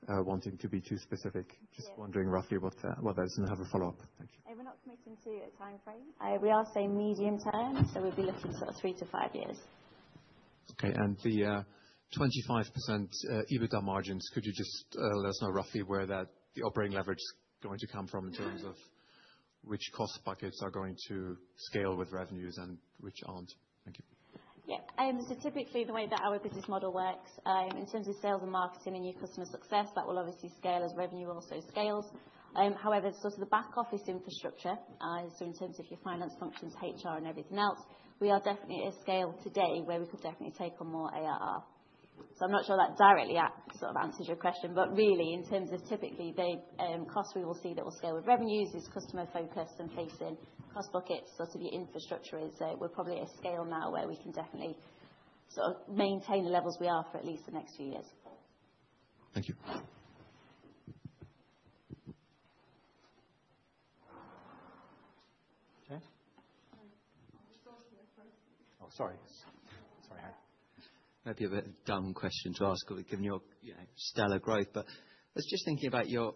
wanting to be too specific. Yeah. Just wondering roughly what those... I have a follow-up. Thank you. We're not committing to a timeframe. We are saying medium term, so we'd be looking sort of three to five years. Okay. The 25% EBITDA margins, could you just let us know roughly where the operating leverage is going to come from? Mm-hmm. Which cost buckets are going to scale with revenues and which aren't? Thank you. Typically, the way that our business model works, in terms of sales and marketing and new customer success, that will obviously scale as revenue also scales. However, sort of the back office infrastructure, in terms of your finance functions, HR, and everything else, we are definitely at a scale today where we could definitely take on more ARR. I'm not sure that directly sort of answers your question, but really, in terms of typically the costs we will see that will scale with revenues is customer-focused and facing cost buckets. As the infrastructure is, we're probably at a scale now where we can definitely sort of maintain the levels we are for at least the next few years. Thank you. James? Oh, sorry. Sorry. Maybe a bit of a dumb question to ask, given your, you know, stellar growth, but I was just thinking about your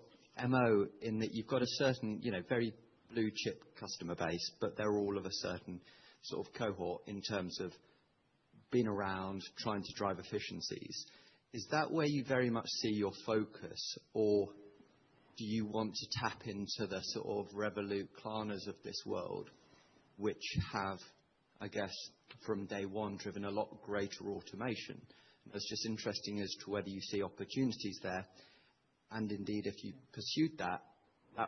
MO in that you've got a certain, you know, very blue chip customer base, but they're all of a certain sort of cohort in terms of being around, trying to drive efficiencies. Is that where you very much see your focus, or do you want to tap into the sort of Revolut, Klarna of this world, which have, I guess, from day one, driven a lot greater automation? That's just interesting as to whether you see opportunities there, and indeed, if you pursued that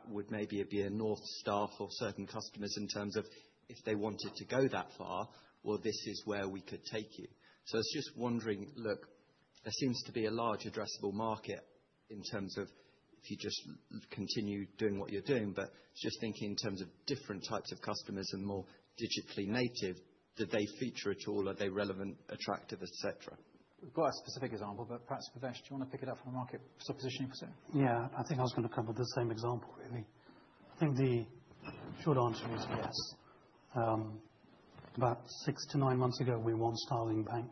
would maybe be a North Star for certain customers in terms of if they wanted to go that far, well, this is where we could take you. I was just wondering, look, there seems to be a large addressable market in terms of if you just continue doing what you're doing, but just thinking in terms of different types of customers and more digitally native, do they feature at all? Are they relevant, attractive, et cetera? We've got a specific example, but perhaps, Bhavesh, do you want to pick it up from a market positioning perspective? Yeah, I think I was going to cover the same example, really. I think the short answer is yes. About six to nine months ago, we won Starling Bank,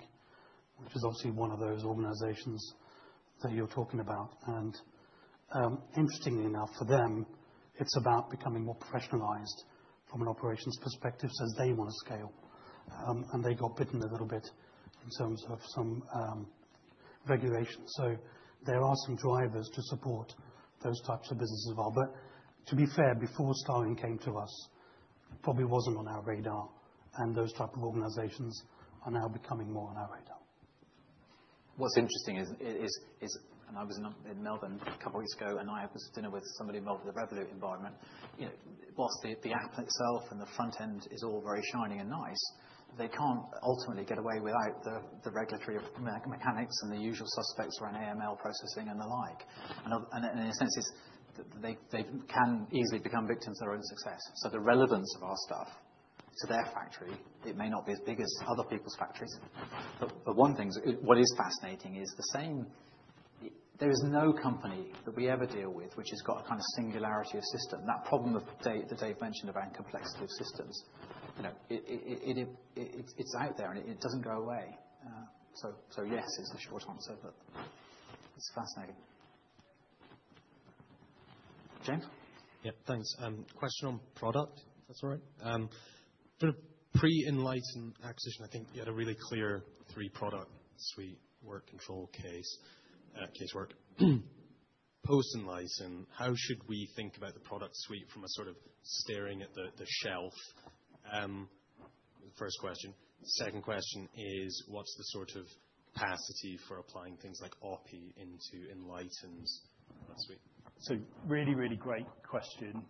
which is obviously one of those organizations that you're talking about. Interestingly enough, for them, it's about becoming more professionalized from an operations perspective, since they want to scale. They got bitten a little bit in terms of some regulations. There are some drivers to support those types of businesses as well. To be fair, before Starling came to us, it probably wasn't on our radar, and those type of organizations are now becoming more on our radar. What's interesting is, and I was in Melbourne a couple of weeks ago, and I was having dinner with somebody involved in the Revolut environment. You know, whilst the app itself and the front end is all very shiny and nice, they can't ultimately get away without the regulatory mechanics and the usual suspects around AML processing and the like. In a sense, it's they can easily become victims of their own success. The relevance of our stuff to their factory, it may not be as big as other people's factories, but one thing is, what is fascinating is the same. There is no company that we ever deal with, which has got a kind of singularity of system. That problem of, that Dave mentioned about complexity of systems, you know, it's out there, and it doesn't go away. Yes, is the short answer, but it's fascinating. James? Thanks. Question on product, if that's all right. Pre-Enlighten acquisition, I think you had a really clear three-product suite: Work, Control, Case, Casework. Post-Enlighten, how should we think about the product suite from a sort of staring at the shelf? First question. Second question is, what's the sort of capacity for applying things like OPI into Enlighten last week? Really great question.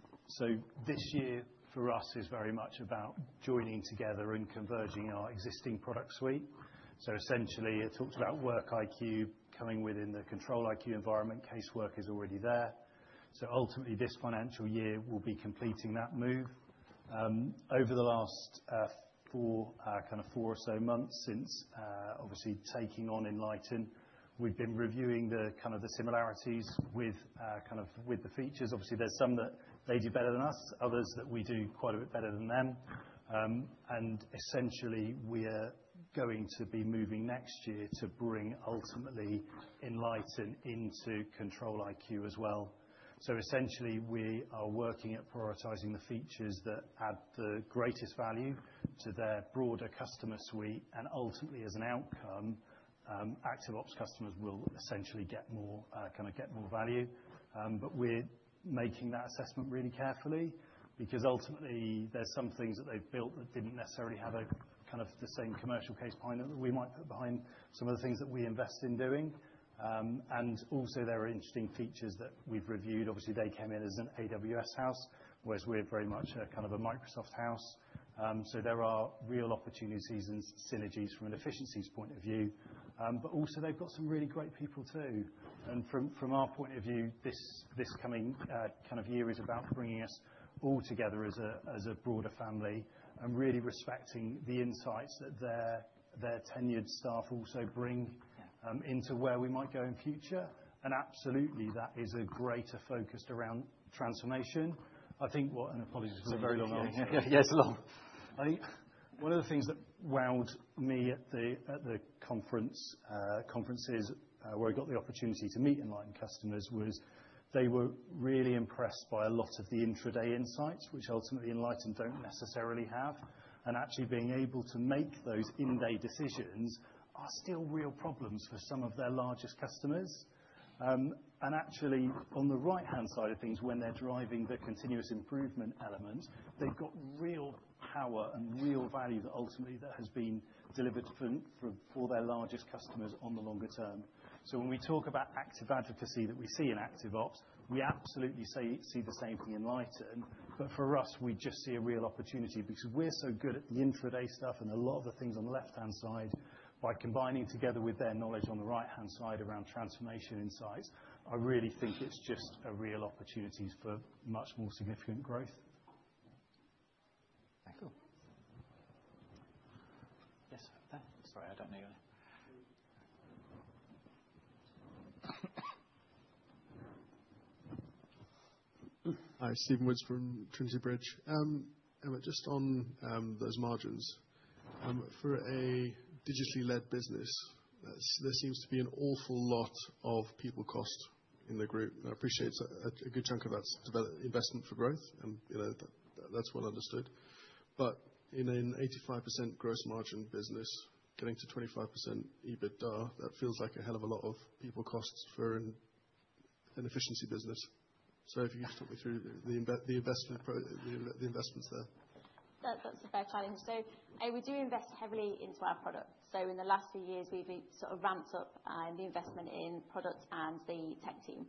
This year, for us, is very much about joining together and converging our existing product suite. Essentially, it talks about WorkiQ coming within the ControliQ environment. Casework is already there. Ultimately, this financial year, we'll be completing that move. Over the last four or so months since obviously taking on Enlighten, we've been reviewing the similarities with the features. Obviously, there's some that they do better than us, others that we do quite a bit better than them. Essentially, we're going to be moving next year to bring ultimately Enlighten into ControliQ as well. Essentially, we are working at prioritizing the features that add the greatest value to their broader customer suite, and ultimately, as an outcome, ActiveOps customers will essentially get more value. We're making that assessment really carefully because ultimately, there's some things that they've built that didn't necessarily have the same commercial case behind it, that we might put behind some of the things that we invest in doing. Also, there are interesting features that we've reviewed. Obviously, they came in as an AWS house, whereas we're very much a kind of a Microsoft house. There are real opportunities and synergies from an efficiencies point of view. Also, they've got some really great people, too. From our point of view, this coming kind of year is about bringing us all together as a broader family and really respecting the insights that their tenured staff also bring into where we might go in future. Absolutely, that is a greater focus around transformation. I think what, and apologies, it's a very long answer. Yes, it's long. I think one of the things that wowed me at the conferences, where I got the opportunity to meet Enlighten customers, was they were really impressed by a lot of the intraday insights, which ultimately, Enlighten don't necessarily have. Actually being able to make those in-day decisions are still real problems for some of their largest customers. Actually, on the right-hand side of things, when they're driving the continuous improvement element, they've got real power and real value that ultimately has been delivered for their largest customers on the longer term. When we talk about active advocacy that we see in ActiveOps, we absolutely see the same thing in Enlighten. For us, we just see a real opportunity because we're so good at the intraday stuff and a lot of the things on the left-hand side, by combining together with their knowledge on the right-hand side around transformation insights, I really think it's just a real opportunity for much more significant growth. ... Yes. sorry, I don't know you. Hi, Stephen Wood from Trinity Bridge. Emma, just on those margins, for a digitally led business, there seems to be an awful lot of people cost in the group. I appreciate a good chunk of that's investment for growth, and, you know, that's well understood. In an 85% gross margin business getting to 25% EBITDA, that feels like a hell of a lot of people costs for an efficiency business. If you could talk me through the investments there. That's a fair challenge. We do invest heavily into our product. In the last few years, we've sort of ramped up the investment in product and the tech team.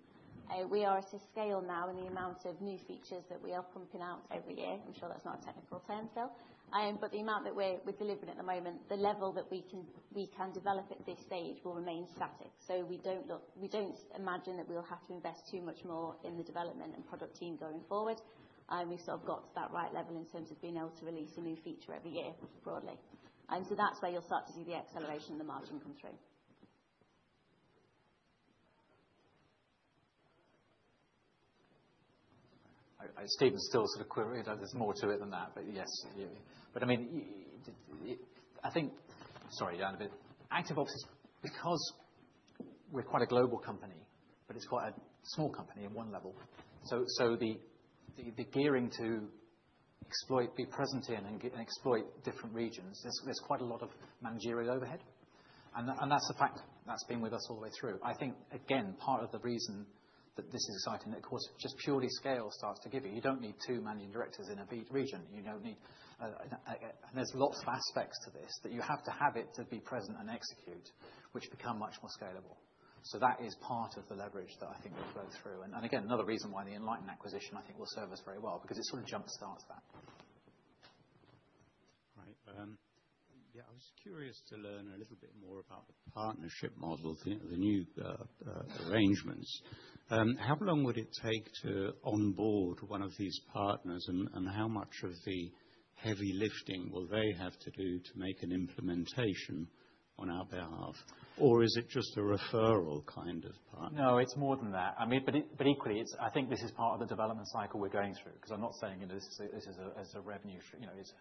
We are at a scale now in the amount of new features that we are pumping out every year. I'm sure that's not a technical term, Phil. The amount that we're delivering at the moment, the level that we can develop at this stage will remain static. We don't imagine that we'll have to invest too much more in the development and product team going forward. We've sort of got to that right level in terms of being able to release a new feature every year, broadly. That's where you'll start to see the acceleration in the margin come through. Stephen's still sort of querying that there's more to it than that, yes. I mean, I think. Sorry, down a bit. ActiveOps is because we're quite a global company, it's quite a small company in one level. The gearing to exploit, be present in, and exploit different regions, there's quite a lot of managerial overhead, and that's a fact that's been with us all the way through. I think, again, part of the reason that this is exciting, of course, just purely scale starts to give you. You don't need two managing directors in a region. You don't need. There's lots of aspects to this, that you have to have it to be present and execute, which become much more scalable. That is part of the leverage that I think we'll go through. And again, another reason why the Enlighten acquisition, I think, will serve us very well, because it sort of jumpstarts that. Yeah, I was curious to learn a little bit more about the partnership model, the new arrangements. How long would it take to onboard one of these partners, and how much of the heavy lifting will they have to do to make an implementation on our behalf? Or is it just a referral kind of partner? No, it's more than that. I mean, but equally, I think this is part of the development cycle we're going through, because I'm not saying it is, this is a, as a revenue stream, you know. It's.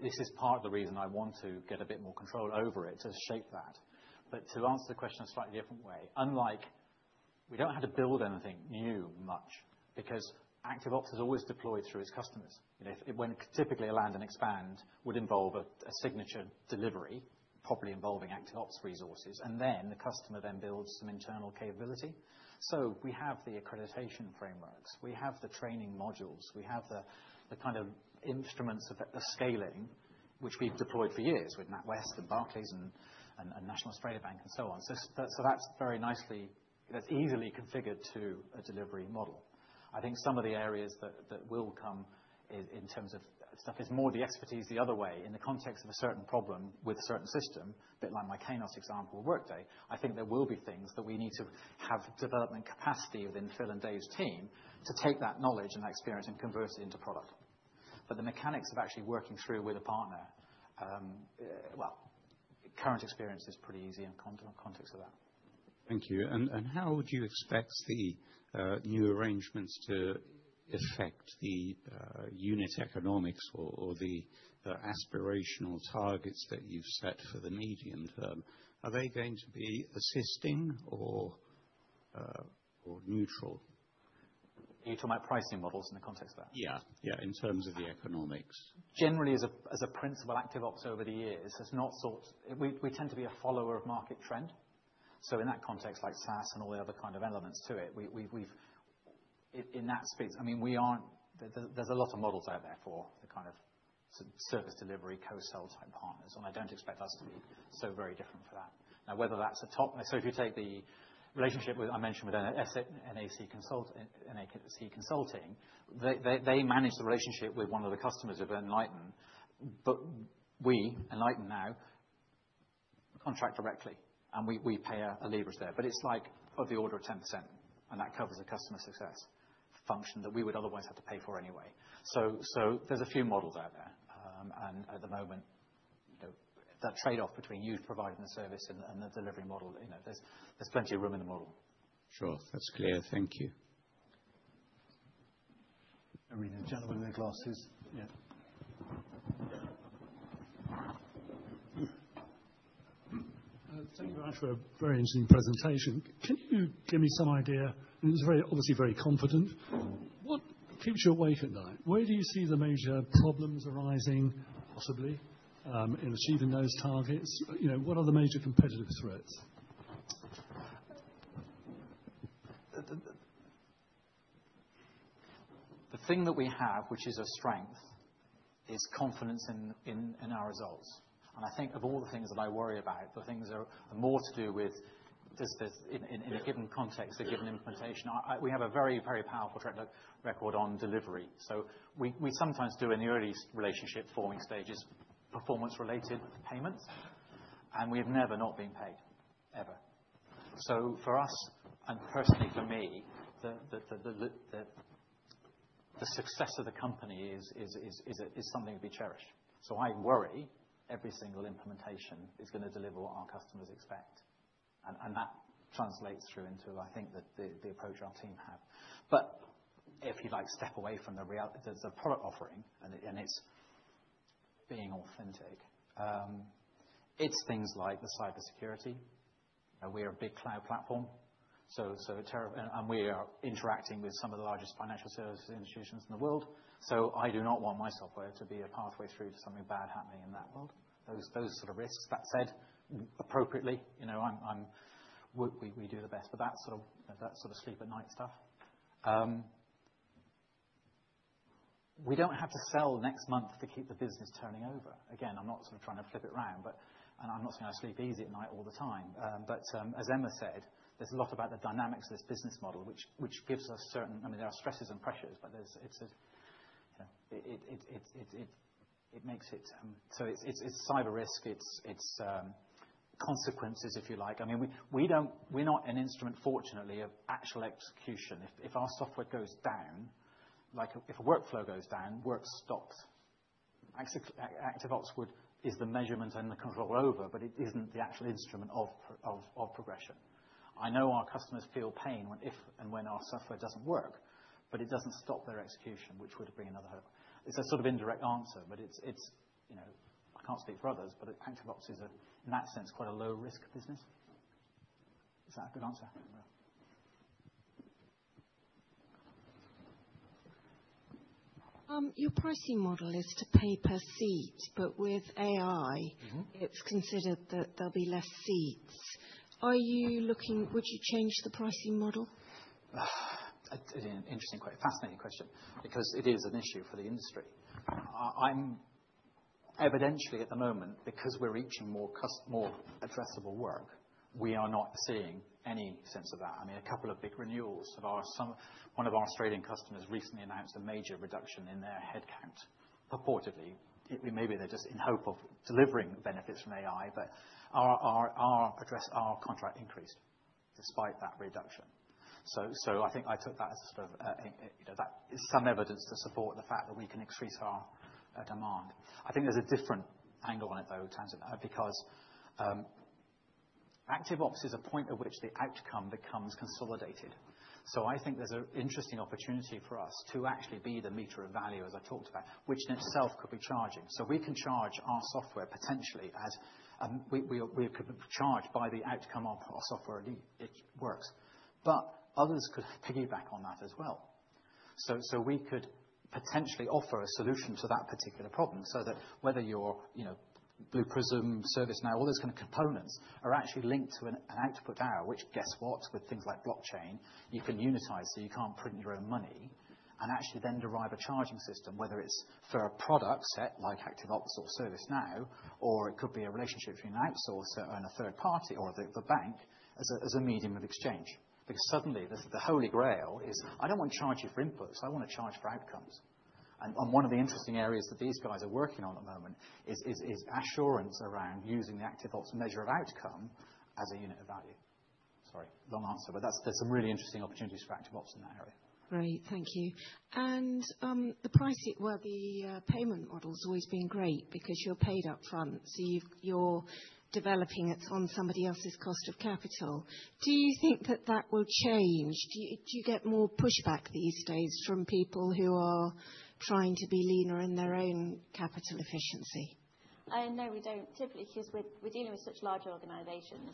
This is part of the reason I want to get a bit more control over it, to shape that. To answer the question a slightly different way, unlike. We don't have to build anything new much because ActiveOps is always deployed through its customers. You know, when typically a land and expand would involve a signature delivery, properly involving ActiveOps resources, and then the customer then builds some internal capability. We have the accreditation frameworks, we have the training modules, we have the kind of instruments of the scaling, which we've deployed for years with NatWest and Barclays and National Australia Bank and so on. That's very nicely, that's easily configured to a delivery model. I think some of the areas that will come in terms of stuff, is more the expertise the other way, in the context of a certain problem with a certain system, bit like my Kainos example, Workday. I think there will be things that we need to have development capacity within Phil and Dave's team to take that knowledge and that experience and convert it into product. The mechanics of actually working through with a partner, well, current experience is pretty easy in the context of that. Thank you. How would you expect the new arrangements to affect the unit economics or the aspirational targets that you've set for the medium term? Are they going to be assisting or neutral? Are you talking about pricing models in the context of that? Yeah, yeah, in terms of the economics. Generally, as a principle, ActiveOps over the years has not sought. We tend to be a follower of market trend. In that context, like SaaS and all the other kind of elements to it, we've In that space, I mean, There's a lot of models out there for the kind of service delivery, co-sell type partners, and I don't expect us to be so very different for that. Whether that's a. If you take the relationship with, I mentioned with NAC Consulting, they manage the relationship with one of the customers of Enlighten. We, Enlighten now, contract directly, and we pay a leverage there. It's like of the order of 10%, and that covers a customer success function that we would otherwise have to pay for anyway. There's a few models out there. At the moment, you know, that trade-off between you providing the service and the delivery model, you know, there's plenty of room in the model. Sure. That's clear. Thank you. The gentleman with the glasses. Yeah. Thank you very much for a very interesting presentation. Can you give me some idea, and it's very, obviously very confident, what keeps you awake at night? Where do you see the major problems arising, possibly, in achieving those targets? You know, what are the major competitive threats? The thing that we have, which is a strength, is confidence in our results. I think of all the things that I worry about, the things are more to do with this. Yeah. in a given context, a given implementation. We have a very, very powerful track record on delivery. We sometimes do in the early relationship-forming stages, performance-related payments, and we have never not been paid, ever. For us, and personally for me, the success of the company is something to be cherished. I worry every single implementation is gonna deliver what our customers expect. That translates through into, I think, the approach our team have. If you, like, step away from the product offering, and it's being authentic, it's things like the cybersecurity. We are a big cloud platform, so terrible. We are interacting with some of the largest financial services institutions in the world, so I do not want my software to be a pathway through to something bad happening in that world. Those sort of risks. That said, appropriately, you know, I'm, we do the best for that sort of, that sort of sleep at night stuff. We don't have to sell next month to keep the business turning over. Again, I'm not sort of trying to flip it around, but. I'm not saying I sleep easy at night all the time. As Emma said, there's a lot about the dynamics of this business model, which gives us certain. I mean, there are stresses and pressures, but there's, it's a, it makes it, so it's cyber risk, it's consequences, if you like. I mean, we're not an instrument, fortunately, of actual execution. If our software goes down, like, if a workflow goes down, work stops. ActiveOps would is the measurement and the control over, but it isn't the actual instrument of progression. I know our customers feel pain when, if and when our software doesn't work, but it doesn't stop their execution, which would bring another hope. It's a sort of indirect answer, but it's, you know, I can't speak for others, but ActiveOps is, in that sense, quite a low-risk business. Is that a good answer? Your pricing model is to pay per seat, but with AI- Mm-hmm. It's considered that there'll be less seats. Would you change the pricing model? An interesting question. Fascinating question, because it is an issue for the industry. I'm evidentially at the moment because we're reaching more addressable work, we are not seeing any sense of that. I mean, a couple of big renewals of one of our Australian customers recently announced a major reduction in their headcount, purportedly. Maybe they're just in hope of delivering the benefits from AI, but our address, our contract increased despite that reduction. I think I took that as sort of, you know, that is some evidence to support the fact that we can increase our demand. I think there's a different angle on it, though, in terms of that, because ActiveOps is a point at which the outcome becomes consolidated. I think there's an interesting opportunity for us to actually be the meter of value, as I talked about, which in itself could be charging. We can charge our software potentially as we could charge by the outcome of our software, it works. Others could piggyback on that as well. We could potentially offer a solution to that particular problem so that whether you're, you know, Blue Prism, ServiceNow, all those kind of components are actually linked to an output value, which, guess what, with things like Blockchain, you can unitize, so you can't print your own money, and actually then derive a charging system, whether it's for a product set like ActiveOps or ServiceNow, or it could be a relationship between an outsourcer and a third party or the bank as a medium of exchange. Suddenly, the Holy Grail is: I don't want to charge you for inputs, I want to charge for outcomes. One of the interesting areas that these guys are working on at the moment is assurance around using the ActiveOps measure of outcome as a unit of value. Sorry, long answer, but that's, there's some really interesting opportunities for ActiveOps in that area. Great. Thank you. The pricing, well, the payment model's always been great because you're paid up front, so you're developing it on somebody else's cost of capital. Do you think that that will change? Do you get more pushback these days from people who are trying to be leaner in their own capital efficiency? No, we don't typically, because we're dealing with such large organizations.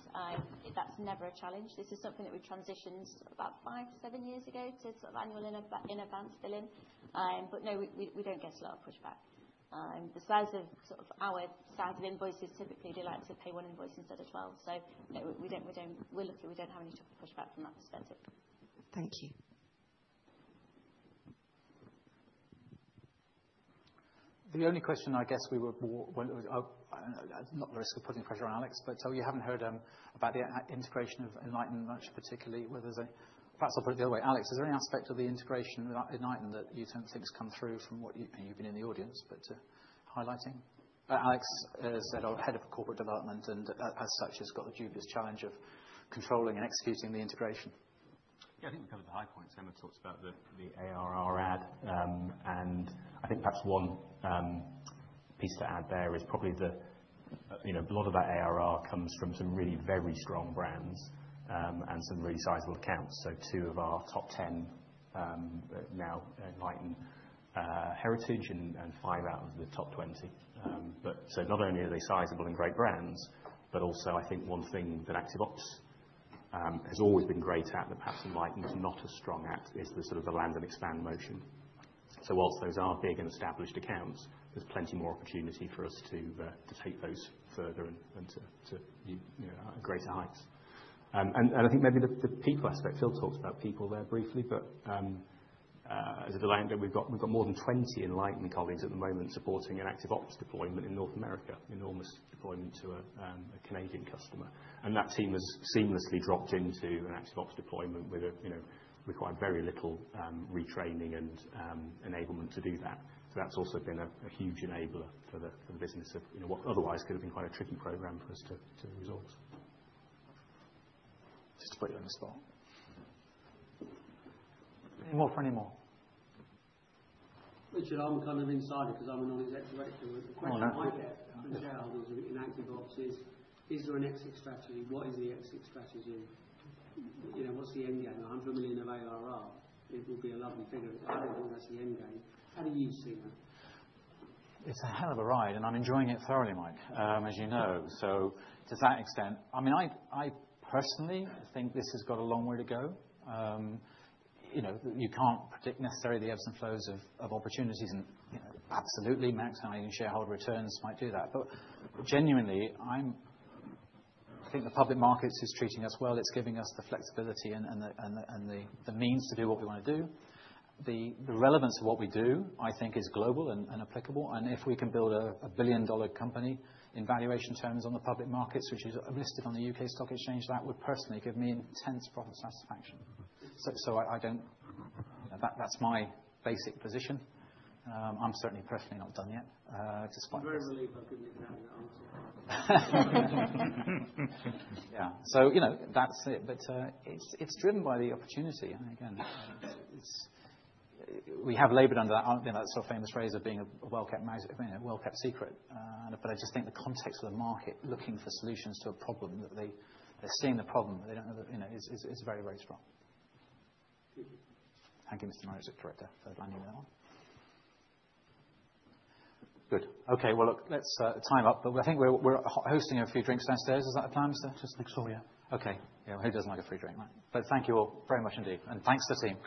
That's never a challenge. This is something that we transitioned about five-seven years ago to annual in advance billing. No, we don't get a lot of pushback. The size of our invoices typically do like to pay one invoice instead of 12. No, we don't. We're lucky we don't have any type of pushback from that perspective. Thank you. The only question I guess we would want, not at the risk of putting pressure on Alex, but so you haven't heard about the integration of Enlighten much, particularly, whether there's a. Perhaps I'll put it the other way. Alex, is there any aspect of the integration with Enlighten that you think has come through from what you've been in the audience, but highlighting? Alex is our head of corporate development and as such, has got the dubious challenge of controlling and executing the integration. I think we've covered the high points. Emma talked about the ARR ad, and I think perhaps one piece to add there is probably the, you know, a lot of that ARR comes from some really very strong brands, and some really sizable accounts. Two of our top 10, now Enlighten, heritage and five out of the top 20. Not only are they sizable and great brands, but also I think one thing that ActiveOps has always been great at, and perhaps Enlighten is not as strong at, is the sort of the land and expand motion. Whilst those are big and established accounts, there's plenty more opportunity for us to take those further and to, you know, greater heights. I think maybe the people aspect, Phil talked about people there briefly, but as of the landing, we've got more than 20 Enlighten colleagues at the moment supporting an ActiveOps deployment in North America. Enormous deployment to a Canadian customer. That team has seamlessly dropped into an ActiveOps deployment with a, you know, required very little retraining and enablement to do that. That's also been a huge enabler for the business of, you know, what otherwise could have been quite a tricky program for us to resolve. Just to put you on the spot. Any more for anymore? Richard, I'm kind of insider because I'm on the executive direction. Oh, yeah. The question I get from shareholders in ActiveOps is: Is there an exit strategy? What is the exit strategy? You know, what's the end game? 100 million of ARR, it will be a lovely figure, but I don't think that's the end game. How do you see that? It's a hell of a ride, and I'm enjoying it thoroughly, Mike, as you know. To that extent, I mean, I personally think this has got a long way to go. You know, you can't predict necessarily the ebbs and flows of opportunities and, you know, absolutely maximizing shareholder returns might do that. Genuinely, I think the public market is treating us well. It's giving us the flexibility and the, and the, and the means to do what we want to do. The relevance of what we do, I think, is global and applicable, and if we can build a billion-dollar company in valuation terms on the public markets, which is listed on the UK Stock Exchange, that would personally give me intense profit satisfaction. I don't... That's my basic position. I'm certainly personally not done yet. I really believe I've given you that answer. Yeah. You know, that's it, but it's driven by the opportunity. Again, we have labored under that, you know, sort of famous phrase of being a well-kept secret. I just think the context of the market looking for solutions to a problem, that they're seeing the problem, but they don't know the, you know, is very, very strong. Thank you, Mr. Market Director, for landing that one. Good. Look, let's time up, but I think we're hosting a few drinks downstairs. Is that the plan, sir? Just next door, yeah. Okay. Yeah. Who doesn't like a free drink, right? Thank you all very much indeed. Thanks to the team.